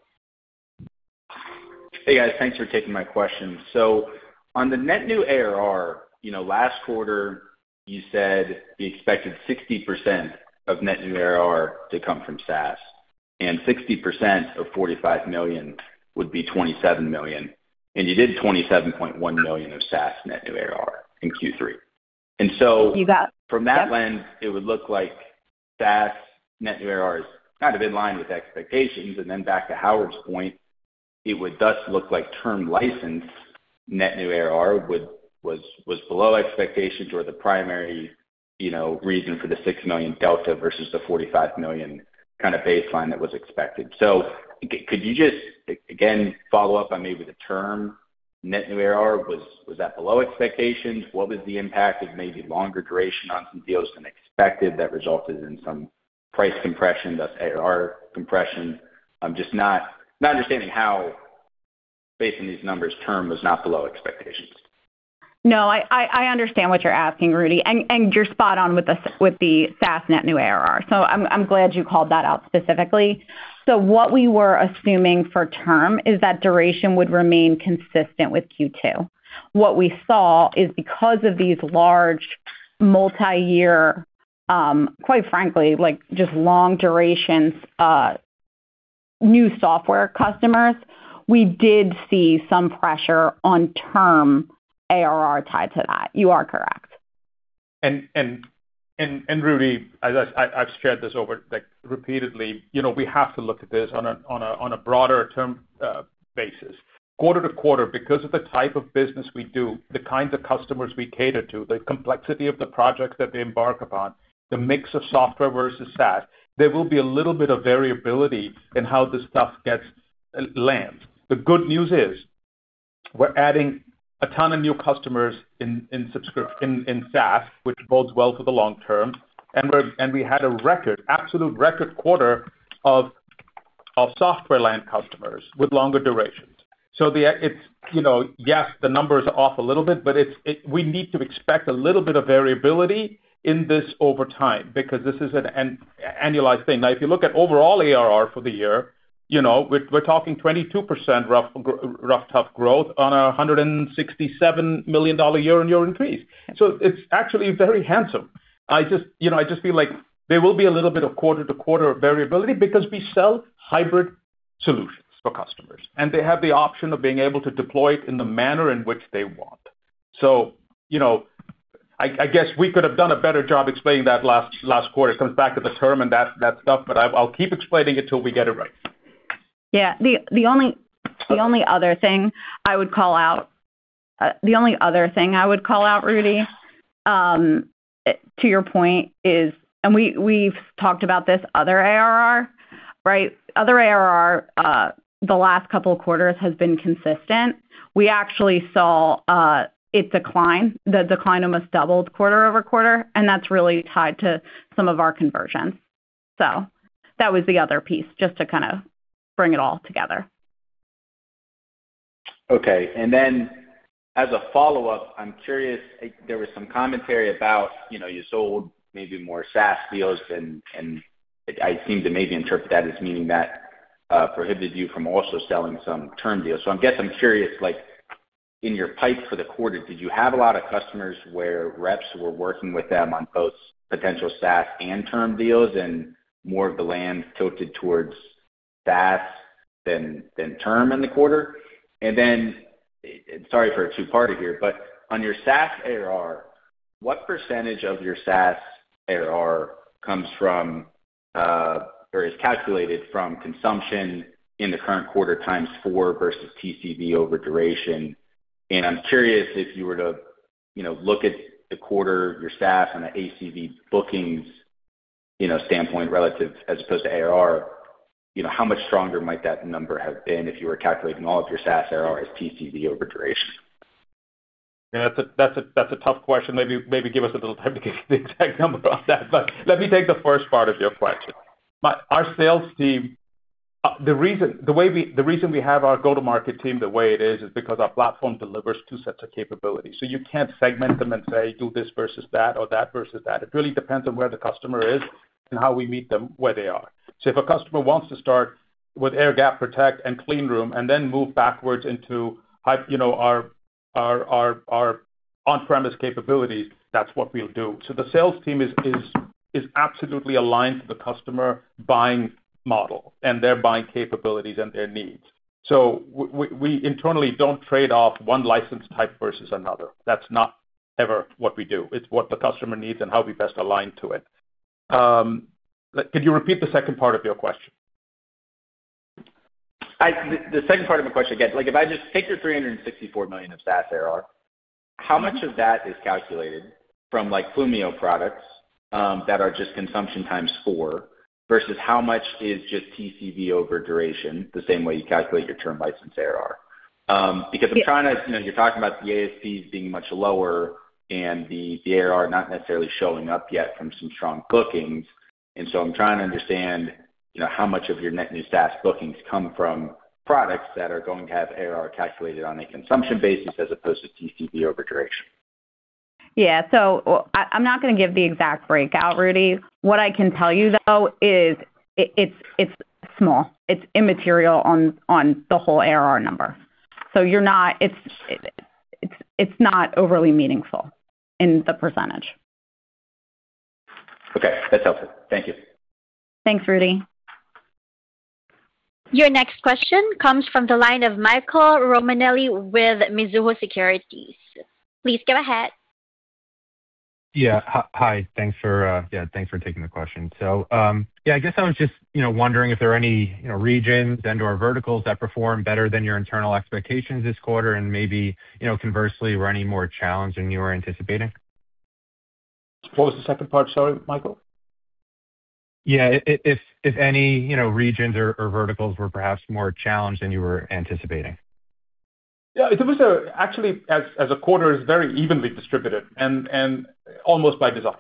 Hey, guys. Thanks for taking my question. So on the net new ARR, you know, last quarter, you said you expected 60% of net new ARR to come from SaaS, and 60% of $45 million would be $27 million, and you did $27.1 million of SaaS net new ARR in Q3. You bet. And so from that lens, it would look like SaaS net new ARR is kind of in line with expectations. And then back to Howard's point, it would thus look like term license net new ARR was below expectations or the primary, you know, reason for the $6 million delta versus the $45 million kind of baseline that was expected. So could you just, again, follow up on maybe the term net new ARR? Was that below expectations? What was the impact of maybe longer duration on some deals than expected, that resulted in some price compression, thus ARR compression? I'm just not understanding how, based on these numbers, term was not below expectations. No, I understand what you're asking, Rudy, and you're spot on with the SaaS net new ARR, so I'm glad you called that out specifically. So what we were assuming for term is that duration would remain consistent with Q2. What we saw is, because of these large multiyear, quite frankly, like, just long duration, new software customers, we did see some pressure on term ARR tied to that. You are correct. Rudy, as I've shared this over, like, repeatedly, you know, we have to look at this on a broader term basis. Quarter-to-quarter, because of the type of business we do, the kinds of customers we cater to, the complexity of the projects that they embark upon, the mix of software versus SaaS, there will be a little bit of variability in how this stuff gets land. The good news is, we're adding a ton of new customers in subscription in SaaS, which bodes well for the long term. And we had a record, absolute record quarter of software land customers with longer durations. So it's, you know, yes, the number is off a little bit, but it's, we need to expect a little bit of variability in this over time because this is an annualized thing. Now, if you look at overall ARR for the year, you know, we're, we're talking 22% roughly growth on a $167 million year-on-year increase. So it's actually very handsome. I just, you know, I just feel like there will be a little bit of quarter-to-quarter variability because we sell hybrid solutions for customers, and they have the option of being able to deploy it in the manner in which they want. So, you know, I, I guess we could have done a better job explaining that last quarter. It comes back to the term and that stuff, but I'll keep explaining it till we get it right. Yeah. The only other thing I would call out, Rudy, to your point, is, and we've talked about this other ARR, right? Other ARR the last couple of quarters has been consistent. We actually saw a decline. The decline almost doubled quarter-over-quarter, and that's really tied to some of our conversions. So that was the other piece, just to kind of bring it all together. Okay. And then as a follow-up, I'm curious, there was some commentary about, you know, you sold maybe more SaaS deals, and I seem to maybe interpret that as meaning that prohibited you from also selling some term deals. So I guess I'm curious, like, in your pipe for the quarter, did you have a lot of customers where reps were working with them on both potential SaaS and term deals, and more of the land tilted towards SaaS than term in the quarter? And then, sorry for a two-parter here, but on your SaaS ARR—what percentage of your SaaS ARR comes from or is calculated from consumption in the current quarter times four versus TCV over duration? I'm curious if you were to, you know, look at the quarter, your SaaS on an ACV bookings, you know, standpoint, relative as opposed to ARR, you know, how much stronger might that number have been if you were calculating all of your SaaS ARR as TCV over duration? Yeah, that's a tough question. Maybe give us a little time to get the exact number on that. But let me take the first part of your question. Our sales team, the reason we have our go-to-market team the way it is, is because our platform delivers two sets of capabilities. So you can't segment them and say, do this versus that or that versus that. It really depends on where the customer is and how we meet them where they are. So if a customer wants to start with Air Gap Protect and Cleanroom and then move backwards into hybrid, you know, our on-premise capabilities, that's what we'll do. So the sales team is absolutely aligned to the customer buying model and their buying capabilities and their needs. So we internally don't trade off one license type versus another. That's not ever what we do. It's what the customer needs and how we best align to it. Could you repeat the second part of your question? The second part of my question, again, like if I just take your $364 million of SaaS ARR, how much of that is calculated from, like, Clumio products, that are just consumption times four, versus how much is just TCV over duration, the same way you calculate your term license ARR? Because I'm trying to... You know, you're talking about the ASPs being much lower and the ARR not necessarily showing up yet from some strong bookings, and so I'm trying to understand, you know, how much of your net new SaaS bookings come from products that are going to have ARR calculated on a consumption basis as opposed to TCV over duration. Yeah. So, I'm not gonna give the exact breakout, Rudy. What I can tell you, though, is it's small. It's immaterial on the whole ARR number. So it's not overly meaningful in the percentage. Okay, that's helpful. Thank you. Thanks, Rudy. Your next question comes from the line of Michael Romanelli with Mizuho Securities. Please go ahead. Yeah. Hi. Thanks for, yeah, thanks for taking the question. So, yeah, I guess I was just, you know, wondering if there are any, you know, regions and/or verticals that performed better than your internal expectations this quarter, and maybe, you know, conversely, were any more challenged than you were anticipating? What was the second part? Sorry, Michael. Yeah. If any, you know, regions or verticals were perhaps more challenged than you were anticipating. Yeah, it was. Actually, as a quarter, it's very evenly distributed and almost by design.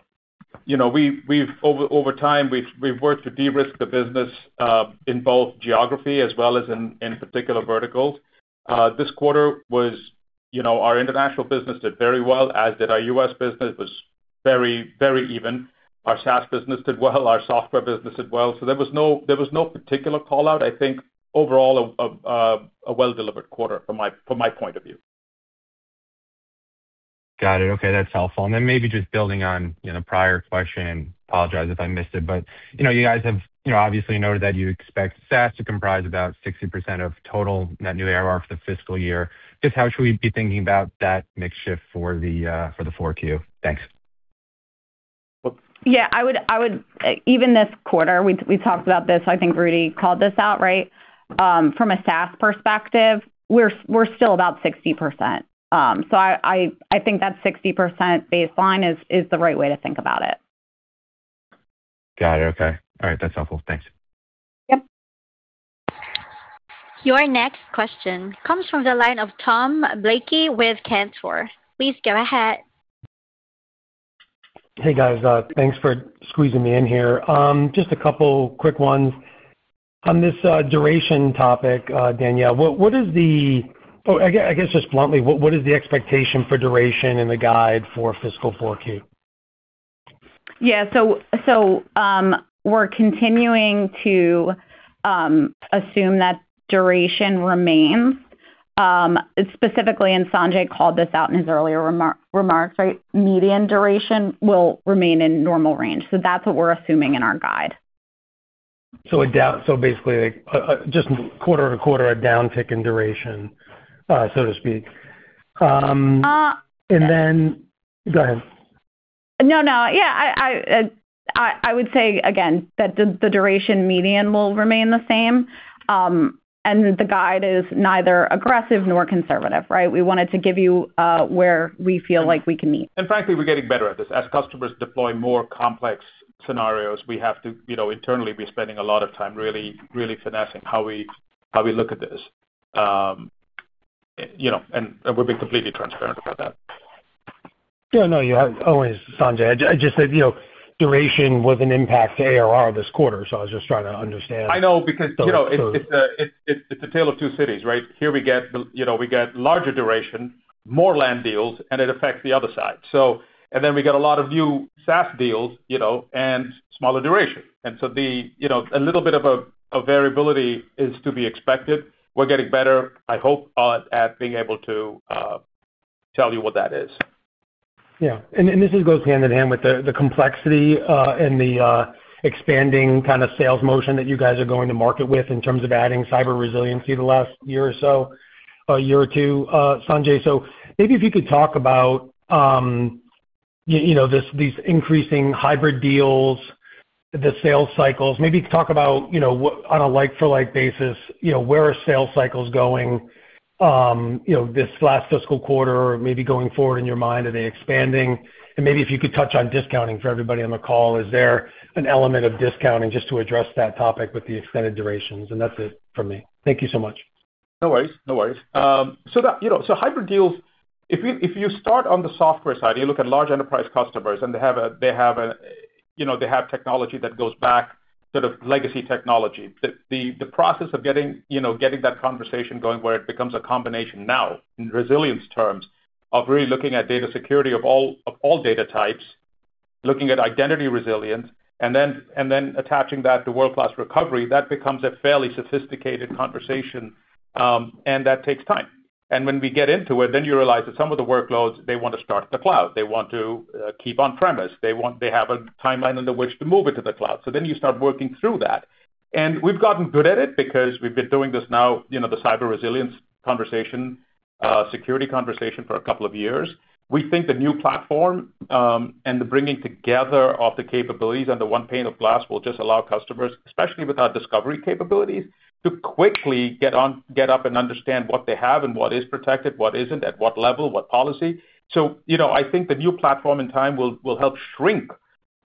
You know, we've over time we've worked to de-risk the business in both geography as well as in particular verticals. This quarter was, you know, our international business did very well, as did our U.S. business, was very even. Our SaaS business did well, our software business did well. So there was no particular call-out. I think overall, a well-delivered quarter from my point of view. Got it. Okay, that's helpful. And then maybe just building on, you know, the prior question, and apologize if I missed it, but, you know, you guys have, you know, obviously noted that you expect SaaS to comprise about 60% of total net new ARR for the fiscal year. Just how should we be thinking about that mix shift for the 4Q? Thanks. Oops. Yeah, I would. Even this quarter, we talked about this. I think Rudy called this out, right? From a SaaS perspective, we're still about 60%. So I think that 60% baseline is the right way to think about it. Got it. Okay. All right. That's helpful. Thanks. Yep. Your next question comes from the line of Tom Blakey with Cantor. Please go ahead. Hey, guys, thanks for squeezing me in here. Just a couple quick ones. On this, duration topic, Danielle, what, what is the—oh, I guess, I guess just bluntly, what, what is the expectation for duration in the guide for fiscal 4Q? Yeah. So, we're continuing to assume that duration remains. Specifically, and Sanjay called this out in his earlier remarks, right? Median duration will remain in normal range. So that's what we're assuming in our guide. So basically, like, just quarter-to-quarter, a downtick in duration, so to speak. And then... Go ahead. No, no. Yeah, I would say again, that the duration median will remain the same, and the guide is neither aggressive nor conservative, right? We wanted to give you, where we feel like we can meet. And frankly, we're getting better at this. As customers deploy more complex scenarios, we have to, you know, internally be spending a lot of time really, really finessing how we look at this. You know, and we'll be completely transparent about that. Yeah, no, you have always, Sanjay. I just said, you know, duration was an impact to ARR this quarter, so I was just trying to understand- I know, because, you know, it's, it's, it's a tale of two cities, right? Here we get, you know, we get larger duration, more land deals, and it affects the other side. So, and then we got a lot of new SaaS deals, you know, and smaller duration. And so the, you know, a little bit of a, a variability is to be expected. We're getting better, I hope, at being able to tell you what that is. Yeah. And this goes hand in hand with the complexity and the expanding kind of sales motion that you guys are going to market with in terms of adding cyber resiliency the last year or so, year or two, Sanjay. So maybe if you could talk about, you know, these increasing hybrid deals, the sales cycles, maybe talk about, you know, what, on a like-for-like basis, you know, where are sales cycles going, this last fiscal quarter or maybe going forward in your mind? Are they expanding? And maybe if you could touch on discounting for everybody on the call. Is there an element of discounting, just to address that topic with the extended durations? And that's it from me. Thank you so much. No worries, no worries. So, you know, so hybrid deals, if you, if you start on the software side, you look at large enterprise customers, and they have, you know, they have technology that goes back to the legacy technology. The process of getting, you know, getting that conversation going, where it becomes a combination now, in resilience terms, of really looking at data security of all, of all data types, looking at identity resilience, and then, and then attaching that to world-class recovery, that becomes a fairly sophisticated conversation, and that takes time. And when we get into it, then you realize that some of the workloads, they want to start in the cloud. They want to keep on premise. They want they have a timeline under which to move it to the cloud. So then you start working through that. And we've gotten good at it because we've been doing this now, you know, the cyber resilience conversation, security conversation, for a couple of years. We think the new platform, and the bringing together of the capabilities under one pane of glass will just allow customers, especially with our discovery capabilities, to quickly get on-- get up and understand what they have and what is protected, what isn't, at what level, what policy. So, you know, I think the new platform in time will help shrink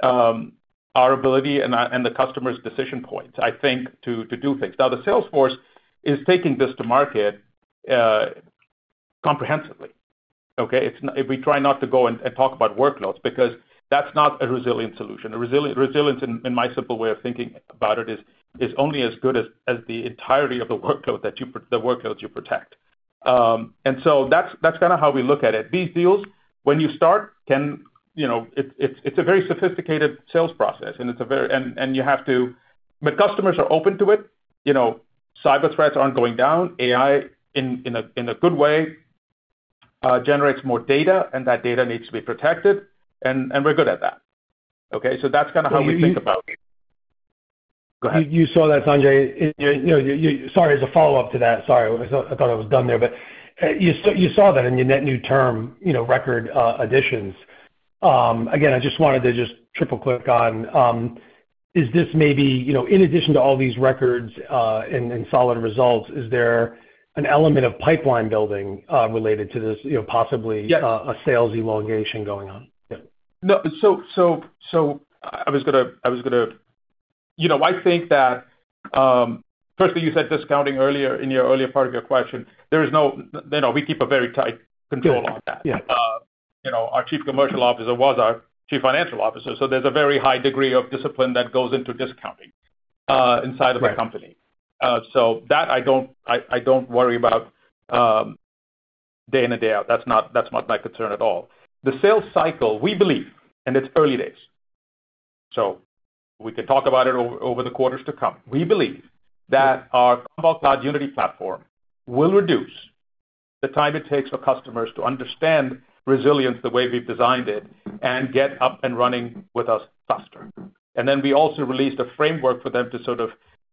our ability and the customer's decision points, I think, to do things. Now, the sales force is taking this to market comprehensively, okay? It's not-- We try not to go and talk about workloads because that's not a resilient solution. Resilience, in my simple way of thinking about it, is only as good as the entirety of the workloads you protect. And so that's kinda how we look at it. These deals, when you start, can. You know, it's a very sophisticated sales process, and it's a very and you have to. But customers are open to it. You know, cyber threats aren't going down. AI, in a good way, generates more data, and that data needs to be protected, and we're good at that, okay? So that's kinda how we think about it. Go ahead. You saw that, Sanjay. You know, you... Sorry, as a follow-up to that, sorry, I thought I was done there, but you saw that in your net new term, you know, record additions. Again, I just wanted to just triple-click on, is this maybe, you know, in addition to all these records and solid results, is there an element of pipeline building related to this, you know, possibly- Yeah. - a sales elongation going on? Yeah. No, I was gonna. You know, I think that, firstly, you said discounting earlier in your earlier part of your question. There is no. You know, we keep a very tight control on that. Yeah. You know, our Chief Commercial Officer was our Chief Financial Officer, so there's a very high degree of discipline that goes into discounting inside of the company. Right. So that I don't worry about day in and day out. That's not my concern at all. The sales cycle, we believe, and it's early days, so we can talk about it over the quarters to come. We believe that our Cloud Unity platform will reduce the time it takes for customers to understand resilience the way we've designed it and get up and running with us faster. And then we also released a framework for them to sort of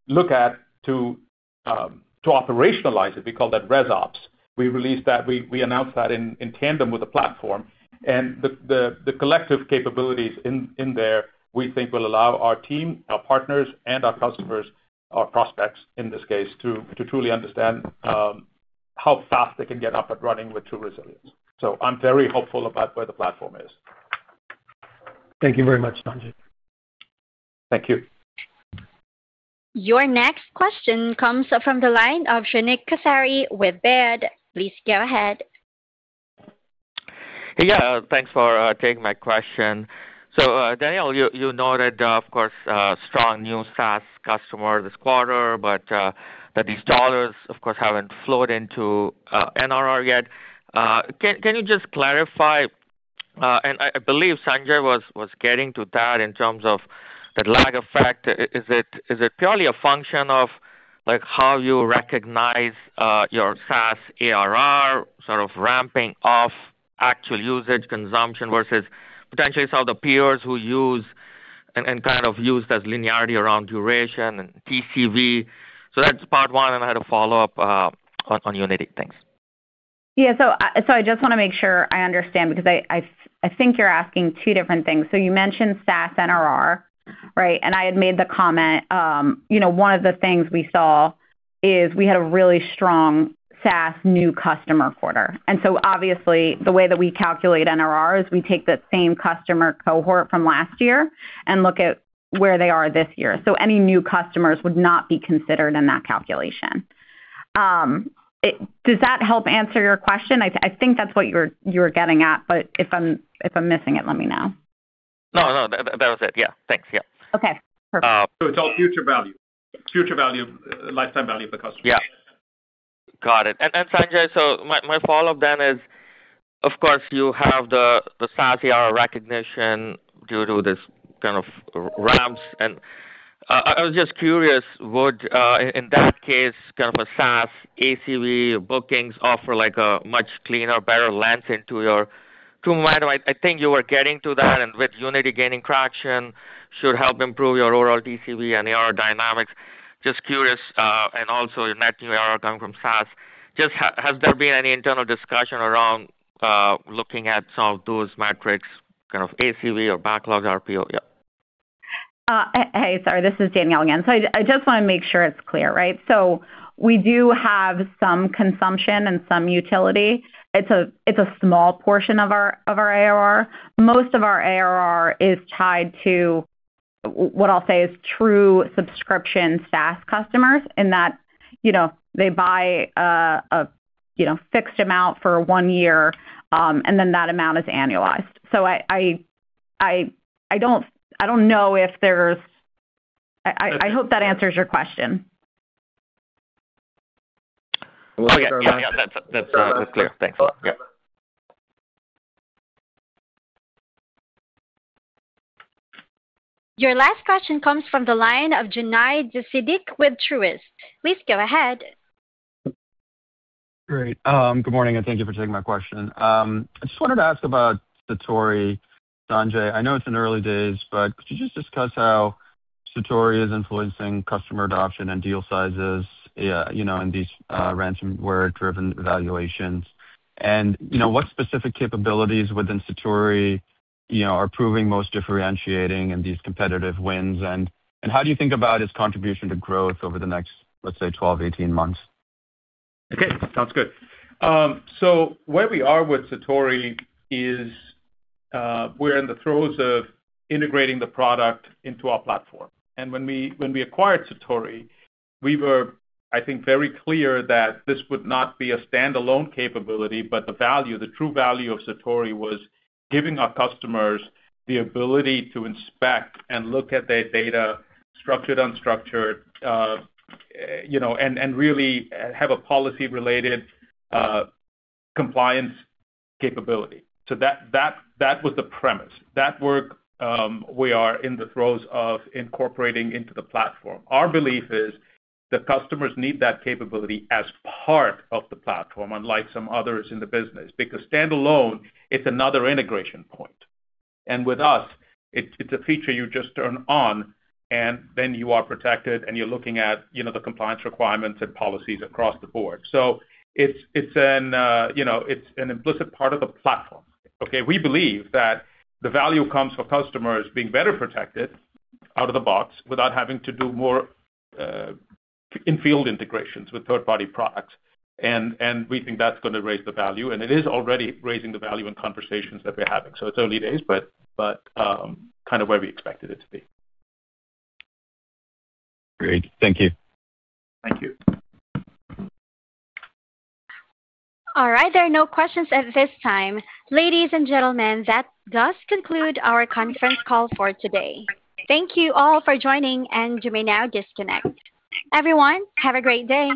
look at to, to operationalize it. We call that ResOps. We released that, we announced that in tandem with the platform. The collective capabilities in there, we think, will allow our team, our partners, and our customers, our prospects, in this case, to truly understand how fast they can get up and running with True Resilience. So I'm very hopeful about where the platform is. Thank you very much, Sanjay. Thank you. Your next question comes from the line of Shrenik Kothari with Baird. Please go ahead. Yeah, thanks for taking my question. So, Danielle, you noted, of course, strong new SaaS customer this quarter, but that these dollars, of course, haven't flowed into NRR yet. Can you just clarify, and I believe Sanjay was getting to that in terms of the lag effect. Is it purely a function of, like, how you recognize your SaaS ARR, sort of ramping off actual usage, consumption, versus potentially some of the peers who use and kind of used as linearity around duration and TCV? So that's part one, and I had a follow-up on Unity. Thanks. Yeah, so I just wanna make sure I understand because I think you're asking two different things. So you mentioned SaaS NRR, right? And I had made the comment, you know, one of the things we saw is we had a really strong SaaS new customer quarter. And so, obviously, the way that we calculate NRR is we take the same customer cohort from last year and look at where they are this year. So any new customers would not be considered in that calculation. Does that help answer your question? I think that's what you're, you were getting at, but if I'm missing it, let me know. No, no, that, that was it. Yeah. Thanks, yeah. Okay, perfect. So it's all future value, future value, lifetime value of the customer. Yeah. Got it. And Sanjay, so my follow-up then is, of course, you have the SaaS AR recognition due to this kind of ramps, and I was just curious, would, in that case, kind of a SaaS ACV bookings offer like a much cleaner, better lens into your... To an extent, I think you were getting to that, and with Unity gaining traction, should help improve your overall DCV and AR dynamics. Just curious, and also net new ARR coming from SaaS, just has there been any internal discussion around looking at some of those metrics, kind of ACV or backlog RPO? Yeah. Hey, sorry, this is Danielle again. So I just want to make sure it's clear, right? So we do have some consumption and some utility. It's a small portion of our ARR. Most of our ARR is tied to what I'll say is true subscription SaaS customers, in that, you know, they buy a you know, fixed amount for one year, and then that amount is annualized. So I don't know if there's... I hope that answers your question. Oh, yeah. Yeah, yeah, that's, that's clear. Thanks a lot. Yeah. Your last question comes from the line of Junaid Siddiqui with Truist. Please go ahead. Great. Good morning, and thank you for taking my question. I just wanted to ask about Satori, Sanjay. I know it's in the early days, but could you just discuss how Satori is influencing customer adoption and deal sizes, you know, in these ransomware-driven evaluations? And, you know, what specific capabilities within Satori, you know, are proving most differentiating in these competitive wins? And, how do you think about its contribution to growth over the next, let's say, 12 months-18 months? Okay, sounds good. So where we are with Satori is, we're in the throes of integrating the product into our platform. When we, when we acquired Satori, we were, I think, very clear that this would not be a standalone capability, but the value, the true value of Satori was giving our customers the ability to inspect and look at their data, structured, unstructured, you know, and, and really have a policy-related, compliance capability. So that, that, that was the premise. That work, we are in the throes of incorporating into the platform. Our belief is that customers need that capability as part of the platform, unlike some others in the business, because standalone, it's another integration point. With us, it's a feature you just turn on, and then you are protected, and you're looking at, you know, the compliance requirements and policies across the board. So it's, you know, an implicit part of the platform, okay? We believe that the value comes for customers being better protected out of the box without having to do more in-field integrations with third-party products. And we think that's going to raise the value, and it is already raising the value in conversations that we're having. So it's early days, but kind of where we expected it to be. Great. Thank you. Thank you. All right, there are no questions at this time. Ladies and gentlemen, that does conclude our conference call for today. Thank you all for joining, and you may now disconnect. Everyone, have a great day.